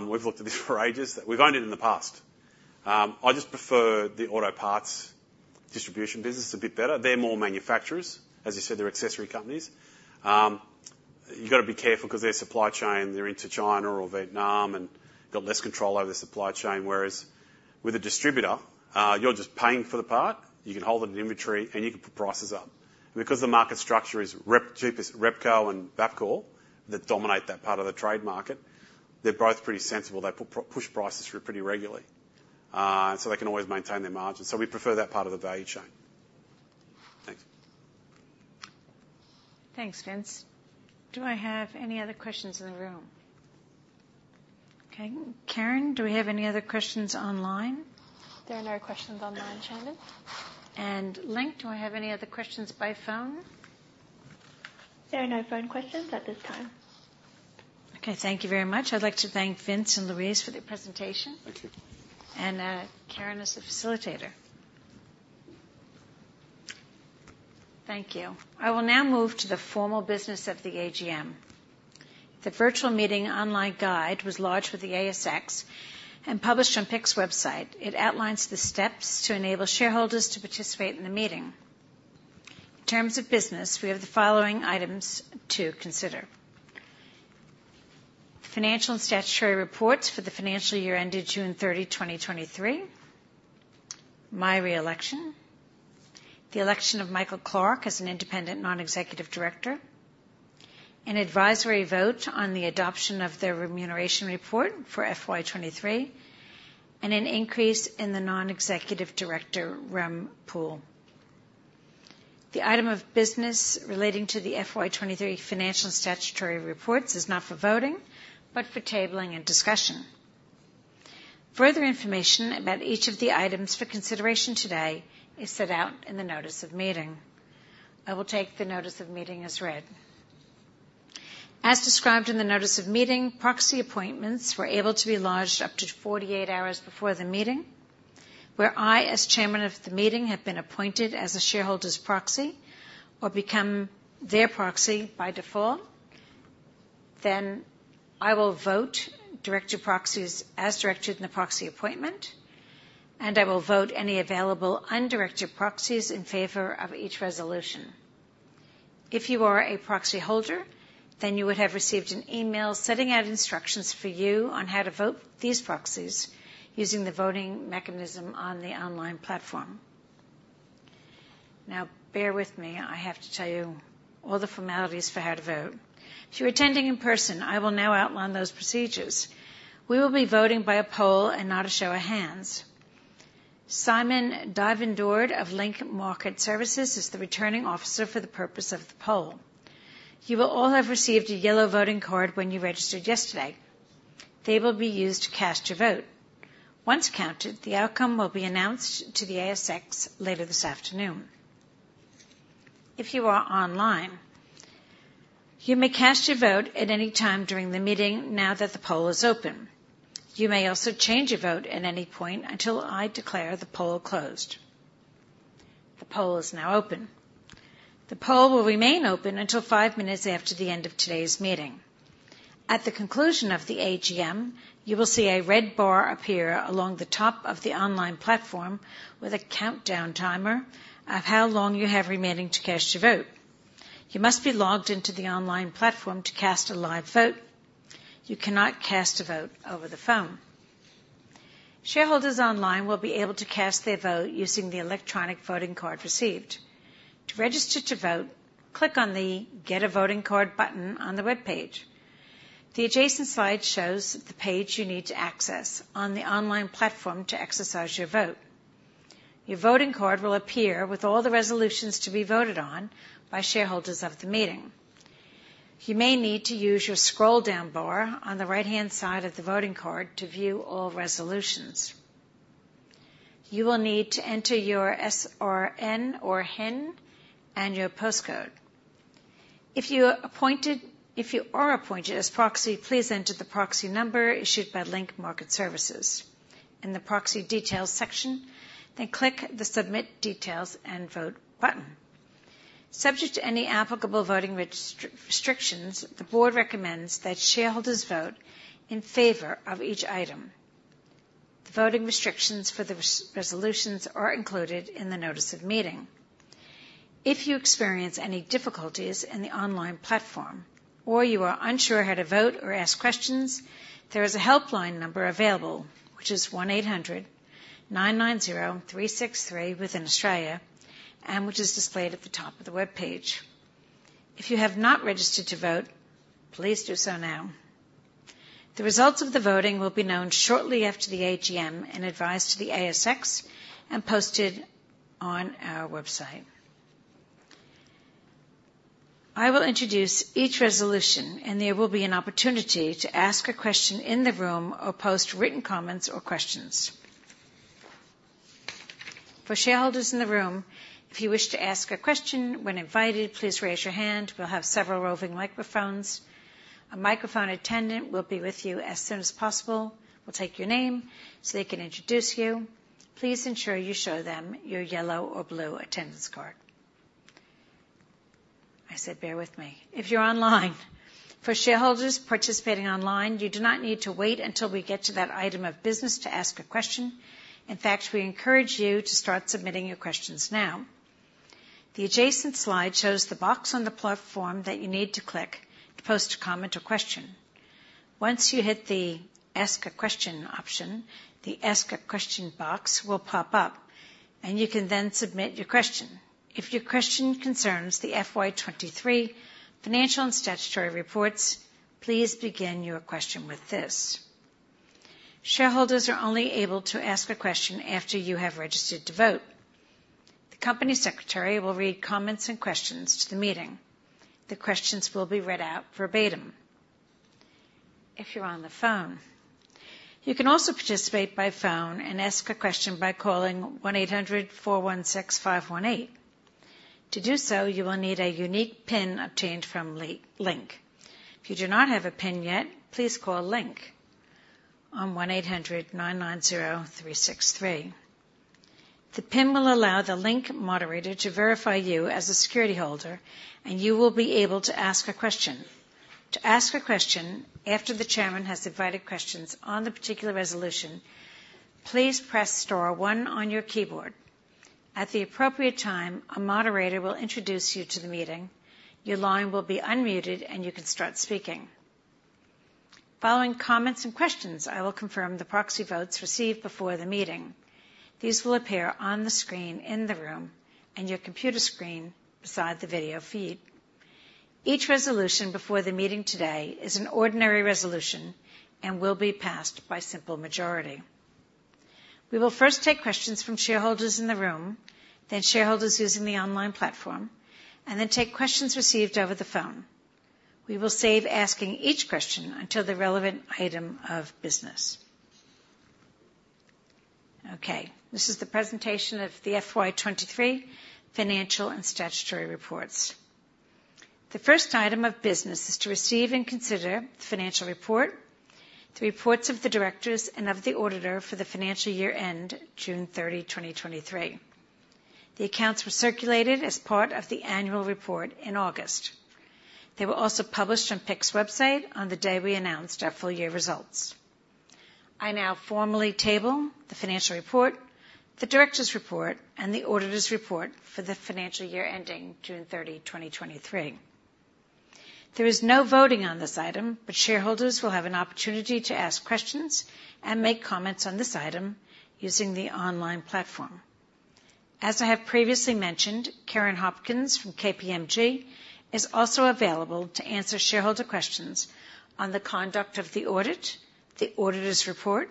We've looked at this for ages. We've owned it in the past. I just prefer the auto parts distribution business a bit better. They're more manufacturers. As you said, they're accessory companies. You've got to be careful because their supply chain, they're into China or Vietnam, and they've got less control over their supply chain. Whereas with a distributor, you're just paying for the part, you can hold it in inventory, and you can put prices up. Because the market structure is Repco and Bapcor that dominate that part of the trade market, they're both pretty sensible. They push prices through pretty regularly, so they can always maintain their margins. So we prefer that part of the value chain. Thanks. Thanks, Vince. Do I have any other questions in the room? Okay, Karen, do we have any other questions online? There are no questions online, Chairman. Link, do I have any other questions by phone? There are no phone questions at this time. Okay, thank you very much. I'd like to thank Vince and Louise for their presentation. Thank you. Karen, as the facilitator. Thank you. I will now move to the formal business of the AGM. The virtual meeting online guide was lodged with the ASX and published on PIC's website. It outlines the steps to enable shareholders to participate in the meeting. In terms of business, we have the following items to consider: Financial and statutory reports for the financial year ended June 30, 2023, my re-election, the election of Michael Clarke as an independent non-executive director, an advisory vote on the adoption of the remuneration report for FY 2023, and an increase in the non-executive director rem pool. The item of business relating to the FY 2023 financial and statutory reports is not for voting, but for tabling and discussion. Further information about each of the items for consideration today is set out in the notice of meeting. I will take the notice of meeting as read. As described in the notice of meeting, proxy appointments were able to be lodged up to 48 hours before the meeting, where I, as chairman of the meeting, have been appointed as a shareholder's proxy or become their proxy by default. I will vote director proxies as directed in the proxy appointment, and I will vote any available undirected proxies in favor of each resolution. If you are a proxy holder, then you would have received an email setting out instructions for you on how to vote these proxies using the voting mechanism on the online platform. Now, bear with me, I have to tell you all the formalities for how to vote. If you're attending in person, I will now outline those procedures. We will be voting by a poll and not a show of hands. Simon Davidson of Link Market Services is the Returning Officer for the purpose of the poll. You will all have received a yellow voting card when you registered yesterday. They will be used to cast your vote. Once counted, the outcome will be announced to the ASX later this afternoon. If you are online, you may cast your vote at any time during the meeting now that the poll is open. You may also change your vote at any point until I declare the poll closed. The poll is now open. The poll will remain open until five minutes after the end of today's meeting. At the conclusion of the AGM, you will see a red bar appear along the top of the online platform with a countdown timer of how long you have remaining to cast your vote. You must be logged into the online platform to cast a live vote. You cannot cast a vote over the phone. Shareholders online will be able to cast their vote using the electronic voting card received. To register to vote, click on the Get a Voting Card button on the webpage. The adjacent slide shows the page you need to access on the online platform to exercise your vote. Your voting card will appear with all the resolutions to be voted on by shareholders of the meeting. You may need to use your scroll down bar on the right-hand side of the voting card to view all resolutions. You will need to enter your SRN or HIN and your postcode. If you are appointed as proxy, please enter the proxy number issued by Link Market Services. In the Proxy Details section, then click the Submit Details and Vote button. Subject to any applicable voting restrictions, the board recommends that shareholders vote in favor of each item. The voting restrictions for the resolutions are included in the notice of meeting. If you experience any difficulties in the online platform, or you are unsure how to vote or ask questions, there is a helpline number available, which is 1800 990 3633 within Australia and which is displayed at the top of the webpage. If you have not registered to vote, please do so now. The results of the voting will be known shortly after the AGM and advised to the ASX and posted on our website. I will introduce each resolution, and there will be an opportunity to ask a question in the room or post written comments or questions. For shareholders in the room, if you wish to ask a question when invited, please raise your hand. We'll have several roving microphones. A microphone attendant will be with you as soon as possible. We'll take your name so they can introduce you. Please ensure you show them your yellow or blue attendance card. I said bear with me. If you're online, for shareholders participating online, you do not need to wait until we get to that item of business to ask a question. In fact, we encourage you to start submitting your questions now. The adjacent slide shows the box on the platform that you need to click to post a comment or question. Once you hit the Ask a Question option, the Ask a Question box will pop up, and you can then submit your question. If your question concerns the FY 2023 financial and statutory reports, please begin your question with this. Shareholders are only able to ask a question after you have registered to vote. The Company Secretary will read comments and questions to the meeting. The questions will be read out verbatim. If you're on the phone, you can also participate by phone and ask a question by calling 1800 416 518. To do so, you will need a unique PIN obtained from Link. If you do not have a PIN yet, please call Link on 1800 990 363. The PIN will allow the Link moderator to verify you as a security holder, and you will be able to ask a question. To ask a question after the chairman has invited questions on the particular resolution, please press star one on your keyboard. At the appropriate time, a moderator will introduce you to the meeting. Your line will be unmuted, and you can start speaking. Following comments and questions, I will confirm the proxy votes received before the meeting. These will appear on the screen in the room and your computer screen beside the video feed. Each resolution before the meeting today is an ordinary resolution and will be passed by simple majority. We will first take questions from shareholders in the room, then shareholders using the online platform, and then take questions received over the phone. We will save asking each question until the relevant item of business. Okay, this is the presentation of the FY 23 financial and statutory reports. The first item of business is to receive and consider the financial report, the reports of the directors, and of the auditor for the financial year end June 30, 2023. The accounts were circulated as part of the annual report in August. They were also published on PIC's website on the day we announced our full year results. I now formally table the financial report, the directors' report, and the auditor's report for the financial year ending June 30, 2023. There is no voting on this item, but shareholders will have an opportunity to ask questions and make comments on this item using the online platform. As I have previously mentioned, Karen Hopkins from KPMG is also available to answer shareholder questions on the conduct of the audit, the auditor's report,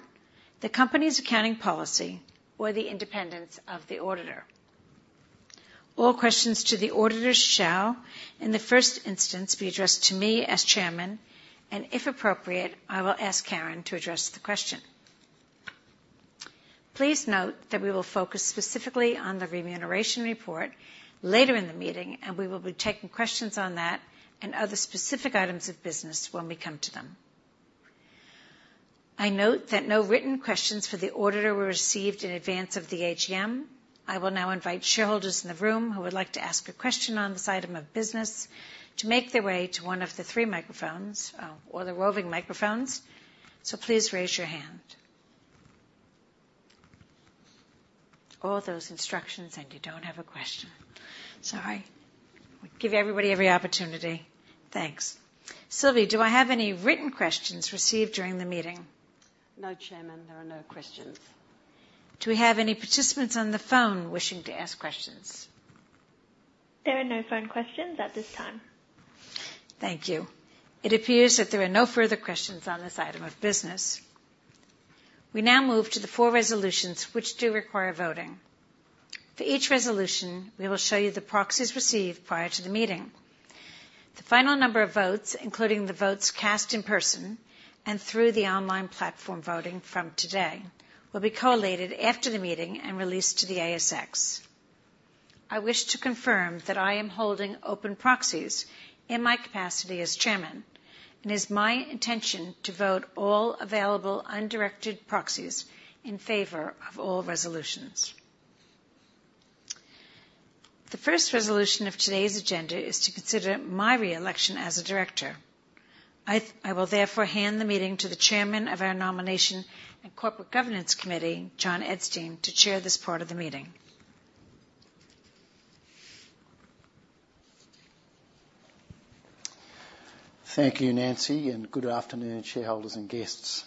the company's accounting policy, or the independence of the auditor. All questions to the auditors shall, in the first instance, be addressed to me as chairman, and if appropriate, I will ask Karen to address the question. Please note that we will focus specifically on the remuneration report later in the meeting, and we will be taking questions on that and other specific items of business when we come to them. I note that no written questions for the auditor were received in advance of the AGM. I will now invite shareholders in the room who would like to ask a question on this item of business to make their way to one of the three microphones, or the roving microphones, so please raise your hand. All those instructions, and you don't have a question. Sorry. We give everybody every opportunity. Thanks. Sylvie, do I have any written questions received during the meeting? No, Chairman, there are no questions. Do we have any participants on the phone wishing to ask questions? There are no phone questions at this time. Thank you. It appears that there are no further questions on this item of business. We now move to the four resolutions, which do require voting. For each resolution, we will show you the proxies received prior to the meeting. The final number of votes, including the votes cast in person and through the online platform voting from today, will be collated after the meeting and released to the ASX. I wish to confirm that I am holding open proxies in my capacity as chairman, and it's my intention to vote all available undirected proxies in favor of all resolutions. The first resolution of today's agenda is to consider my re-election as a director. I will therefore hand the meeting to the Chairman of our Nomination and Corporate Governance Committee, John Edstein, to chair this part of the meeting. Thank you, Nancy, and good afternoon, shareholders and guests.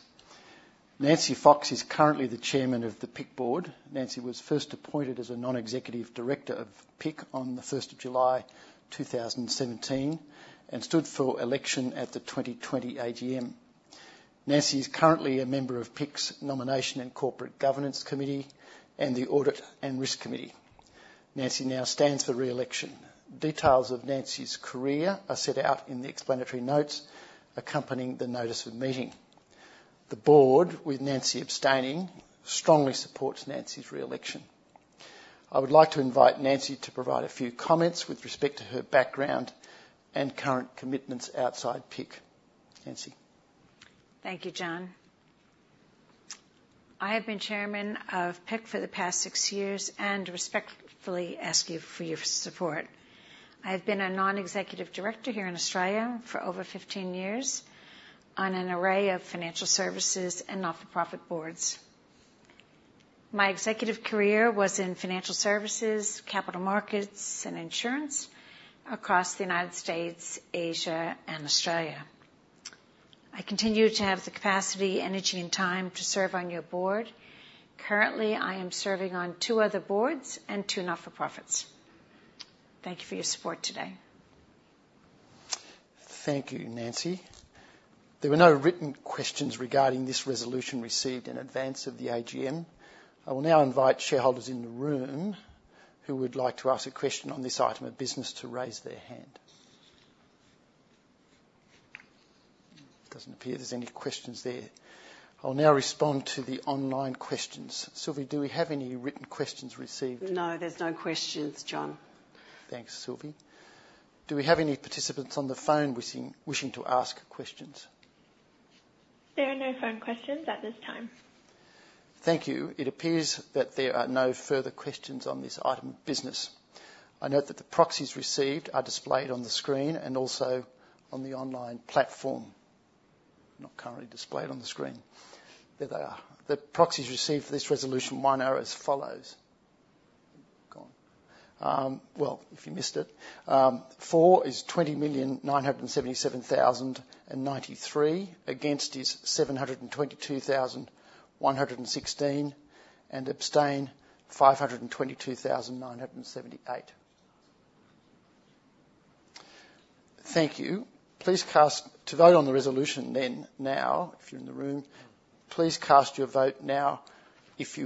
Nancy Fox is currently the Chairman of the PIC Board. Nancy was first appointed as a Non-Executive Director of PIC on July 1, 2017, and stood for election at the 2020 AGM. Nancy is currently a member of PIC's Nomination and Corporate Governance Committee and the Audit and Risk Committee. Nancy now stands for re-election. Details of Nancy's career are set out in the explanatory notes accompanying the notice of meeting. The board, with Nancy abstaining, strongly supports Nancy's re-election. I would like to invite Nancy to provide a few comments with respect to her background and current commitments outside PIC. Nancy? Thank you, John. I have been Chairman of PIC for the past six years, and respectfully ask you for your support. I have been a Non-Executive Director here in Australia for over fifteen years on an array of financial services and not-for-profit boards. My executive career was in financial services, capital markets, and insurance across the United States, Asia, and Australia. I continue to have the capacity, energy, and time to serve on your board. Currently, I am serving on two other boards and two not-for-profits. Thank you for your support today. Thank you, Nancy. There were no written questions regarding this resolution received in advance of the AGM. I will now invite shareholders in the room who would like to ask a question on this item of business to raise their hand. Doesn't appear there's any questions there. I'll now respond to the online questions. Sylvie, do we have any written questions received? No, there's no questions, John. Thanks, Sylvie. Do we have any participants on the phone wishing to ask questions? There are no phone questions at this time. Thank you. It appears that there are no further questions on this item of business. I note that the proxies received are displayed on the screen and also on the online platform. Not currently displayed on the screen. There they are. The proxies received for this resolution one are as follows: Well, if you missed it, for is 20,977,093. Against is 722,116, and abstain, 522,978. Thank you. Please cast your vote on the resolution then. Now, if you're in the room, please cast your vote now if you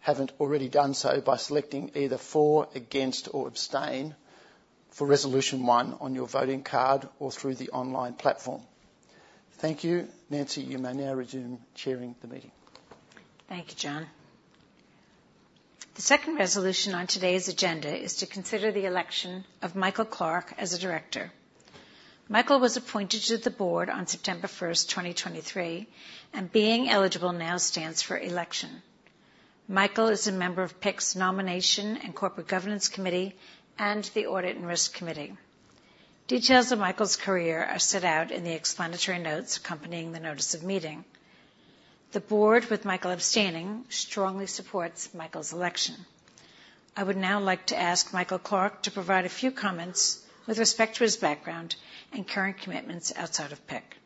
haven't already done so by selecting either for, against, or abstain for resolution one on your voting card or through the online platform. Thank you. Nancy, you may now resume chairing the meeting. Thank you, John. The second resolution on today's agenda is to consider the election of Michael Clarke as a director. Michael was appointed to the board on September 1, 2023, and being eligible, now stands for election. Michael is a member of PIC's Nomination and Corporate Governance Committee and the Audit and Risk Committee. Details of Michael's career are set out in the explanatory notes accompanying the notice of meeting. The board, with Michael abstaining, strongly supports Michael's election. I would now like to ask Michael Clarke to provide a few comments with respect to his background and current commitments outside of PIC.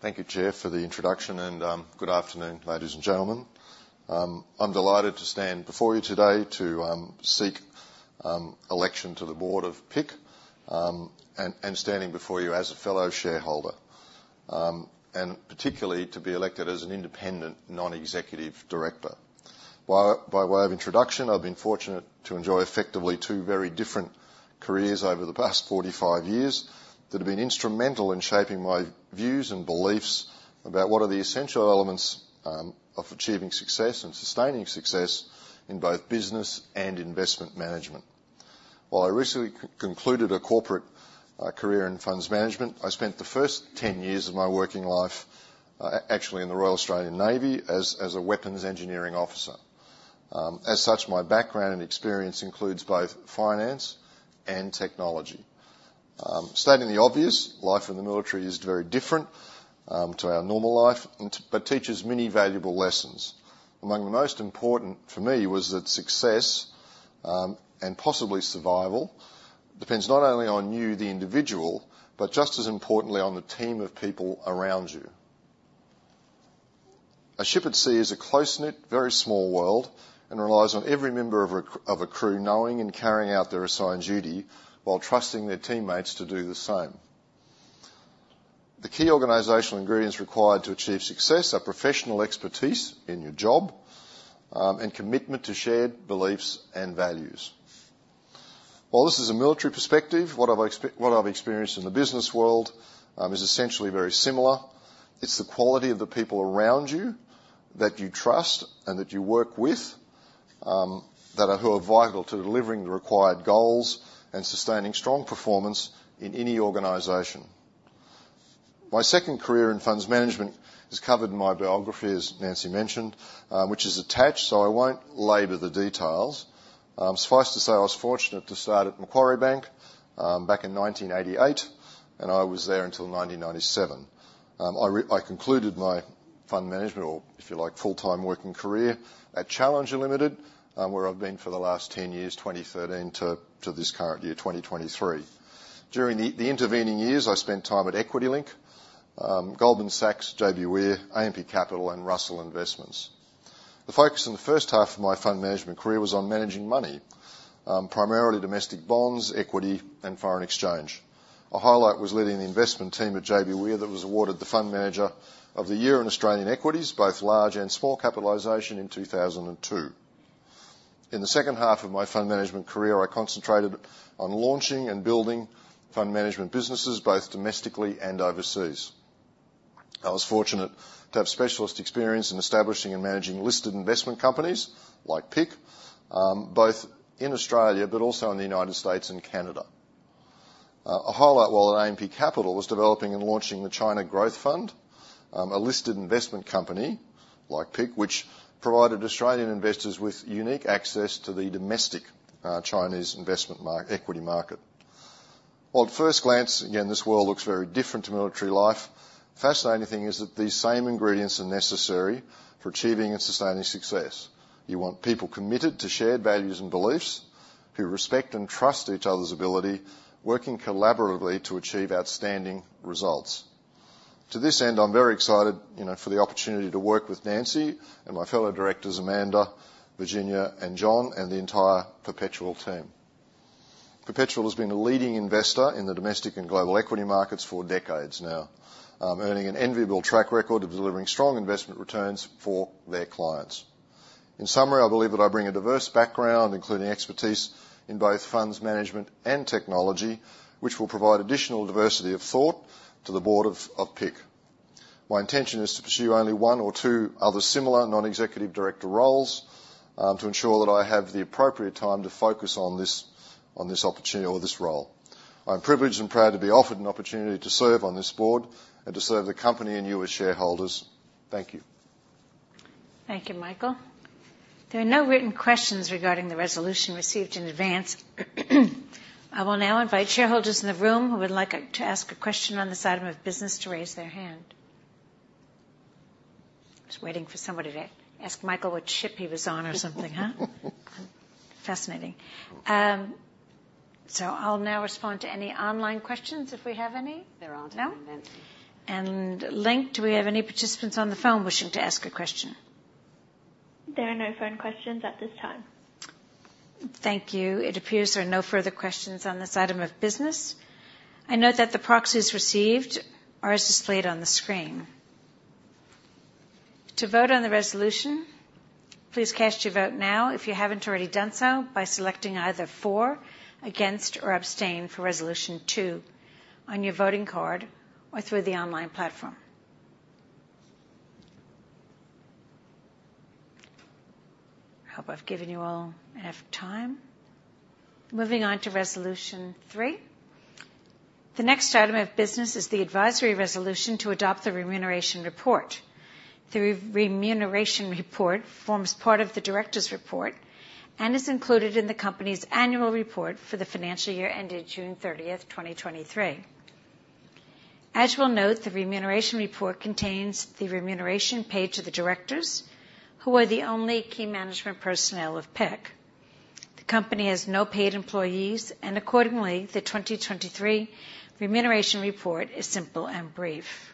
Thank you, Chair, for the introduction, and good afternoon, ladies and gentlemen. I'm delighted to stand before you today to seek election to the board of PIC, and standing before you as a fellow shareholder, and particularly to be elected as an independent non-executive director. By way of introduction, I've been fortunate to enjoy effectively two very different careers over the past 45 years that have been instrumental in shaping my views and beliefs about what are the essential elements of achieving success and sustaining success in both business and investment management. While I recently concluded a corporate career in funds management, I spent the first 10 years of my working life actually in the Royal Australian Navy as a weapons engineering officer. As such, my background and experience includes both finance and technology. Stating the obvious, life in the military is very different to our normal life, and but teaches many valuable lessons. Among the most important for me was that success and possibly survival depends not only on you, the individual, but just as importantly, on the team of people around you. A ship at sea is a close-knit, very small world and relies on every member of a crew knowing and carrying out their assigned duty while trusting their teammates to do the same. The key organizational ingredients required to achieve success are professional expertise in your job and commitment to shared beliefs and values. While this is a military perspective, what I've experienced in the business world is essentially very similar. It's the quality of the people around you that you trust and that you work with that are who are vital to delivering the required goals and sustaining strong performance in any organization. My second career in funds management is covered in my biography, as Nancy mentioned, which is attached, so I won't labor the details. Suffice to say, I was fortunate to start at Macquarie Bank back in 1988, and I was there until 1997. I concluded my fund management or, if you like, full-time working career at Challenger Limited, where I've been for the last 10 years, 2013 to this current year, 2023. During the intervening years, I spent time at EquitiLink, Goldman Sachs JBWere, AMP Capital, and Russell Investments. The focus on the first half of my fund management career was on managing money, primarily domestic bonds, equity, and foreign exchange. A highlight was leading the investment team at JBWere, that was awarded the Fund Manager of the Year in Australian Equities, both large and small capitalization in 2002. In the second half of my fund management career, I concentrated on launching and building fund management businesses, both domestically and overseas. I was fortunate to have specialist experience in establishing and managing listed investment companies like PIC, both in Australia but also in the United States and Canada. A highlight while at AMP Capital was developing and launching the China Growth Fund, a listed investment company like PIC, which provided Australian investors with unique access to the domestic Chinese investment equity market. While at first glance, again, this world looks very different to military life. Fascinating thing is that these same ingredients are necessary for achieving and sustaining success. You want people committed to shared values and beliefs, who respect and trust each other's ability, working collaboratively to achieve outstanding results. To this end, I'm very excited, you know, for the opportunity to work with Nancy and my fellow directors, Amanda, Virginia, and John, and the entire Perpetual team. Perpetual has been a leading investor in the domestic and global equity markets for decades now, earning an enviable track record of delivering strong investment returns for their clients. In summary, I believe that I bring a diverse background, including expertise in both funds management and technology, which will provide additional diversity of thought to the board of PIC. My intention is to pursue only one or two other similar Non-Executive Director roles, to ensure that I have the appropriate time to focus on this, on this opportunity or this role. I'm privileged and proud to be offered an opportunity to serve on this board and to serve the company and you as shareholders. Thank you. Thank you, Michael. There are no written questions regarding the resolution received in advance. I will now invite shareholders in the room who would like to ask a question on this item of business to raise their hand. I was waiting for somebody to ask Michael what ship he was on or something, huh? Fascinating. So I'll now respond to any online questions, if we have any. There aren't any, Nancy. No? And Link, do we have any participants on the phone wishing to ask a question? There are no phone questions at this time. Thank you. It appears there are no further questions on this item of business. I note that the proxies received are as displayed on the screen. To vote on the resolution, please cast your vote now, if you haven't already done so, by selecting either for, against, or abstain for resolution 2 on your voting card or through the online platform. I hope I've given you all enough time. Moving on to resolution 3. The next item of business is the advisory resolution to adopt the remuneration report. The remuneration report forms part of the directors' report and is included in the company's annual report for the financial year ended June 30, 2023. As you'll note, the remuneration report contains the remuneration paid to the directors, who are the only key management personnel of PIC. The company has no paid employees, and accordingly, the 2023 remuneration report is simple and brief.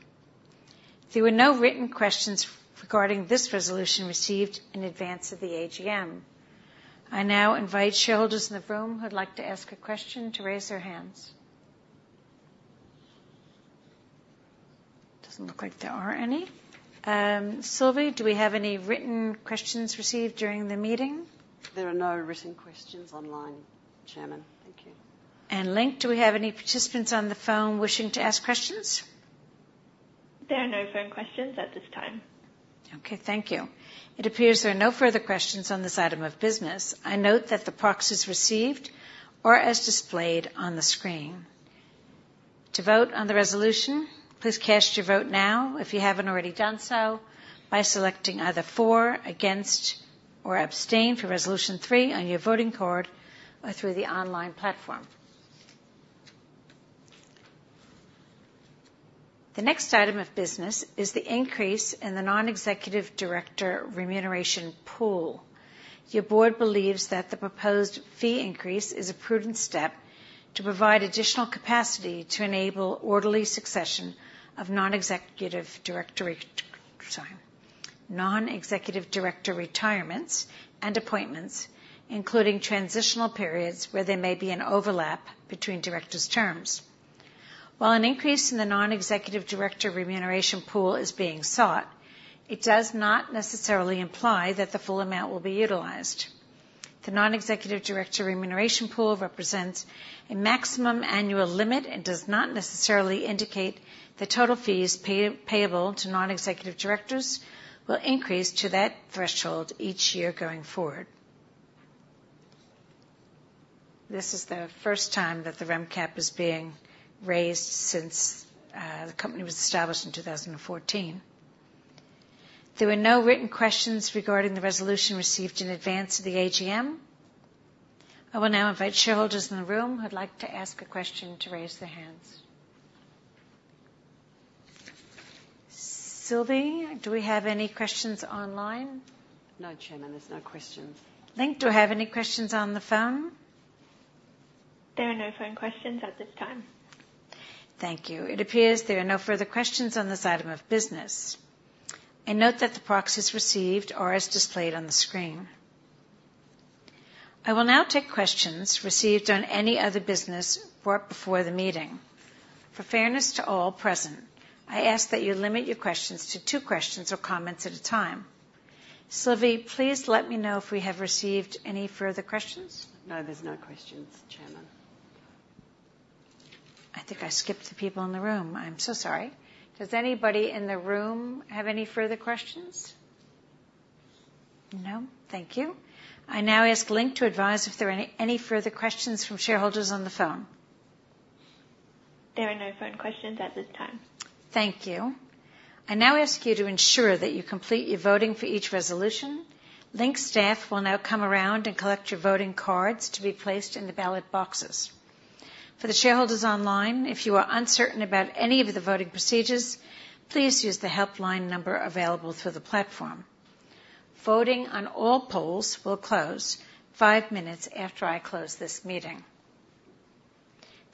There were no written questions regarding this resolution received in advance of the AGM. I now invite shareholders in the room who'd like to ask a question to raise their hands. Doesn't look like there are any. Sylvie, do we have any written questions received during the meeting? There are no written questions online, Chairman. Thank you. Link, do we have any participants on the phone wishing to ask questions? There are no phone questions at this time. Okay, thank you. It appears there are no further questions on this item of business. I note that the proxies received are as displayed on the screen. To vote on the resolution, please cast your vote now, if you haven't already done so, by selecting either for, against or abstain for resolution three on your voting card or through the online platform. The next item of business is the increase in the non-executive director remuneration pool. Your board believes that the proposed fee increase is a prudent step to provide additional capacity to enable orderly succession of non-executive director retirements and appointments, including transitional periods where there may be an overlap between directors' terms. While an increase in the non-executive director remuneration pool is being sought, it does not necessarily imply that the full amount will be utilized. The non-executive director remuneration pool represents a maximum annual limit and does not necessarily indicate the total fees payable to non-executive directors will increase to that threshold each year going forward. This is the first time that the rem cap is being raised since the company was established in 2014. There were no written questions regarding the resolution received in advance of the AGM.... I will now invite shareholders in the room who'd like to ask a question, to raise their hands. Sylvie, do we have any questions online? No, Chairman, there's no questions. Link, do I have any questions on the phone? There are no phone questions at this time. Thank you. It appears there are no further questions on this item of business, and note that the proxies received are as displayed on the screen. I will now take questions received on any other business brought before the meeting. For fairness to all present, I ask that you limit your questions to two questions or comments at a time. Sylvie, please let me know if we have received any further questions. No, there's no questions, Chairman. I think I skipped the people in the room. I'm so sorry. Does anybody in the room have any further questions? No? Thank you. I now ask Link to advise if there are any, any further questions from shareholders on the phone. There are no phone questions at this time. Thank you. I now ask you to ensure that you complete your voting for each resolution. Link's staff will now come around and collect your voting cards to be placed in the ballot boxes. For the shareholders online, if you are uncertain about any of the voting procedures, please use the helpline number available through the platform. Voting on all polls will close five minutes after I close this meeting.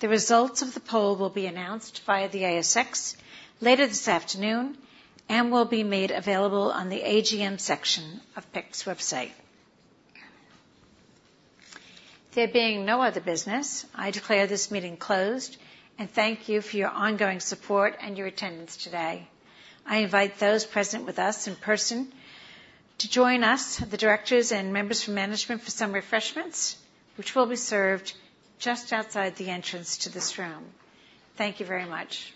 The results of the poll will be announced via the ASX later this afternoon and will be made available on the AGM section of PIC's website. There being no other business, I declare this meeting closed, and thank you for your ongoing support and your attendance today. I invite those present with us in person to join us, the directors and members from management, for some refreshments, which will be served just outside the entrance to this room. Thank you very much.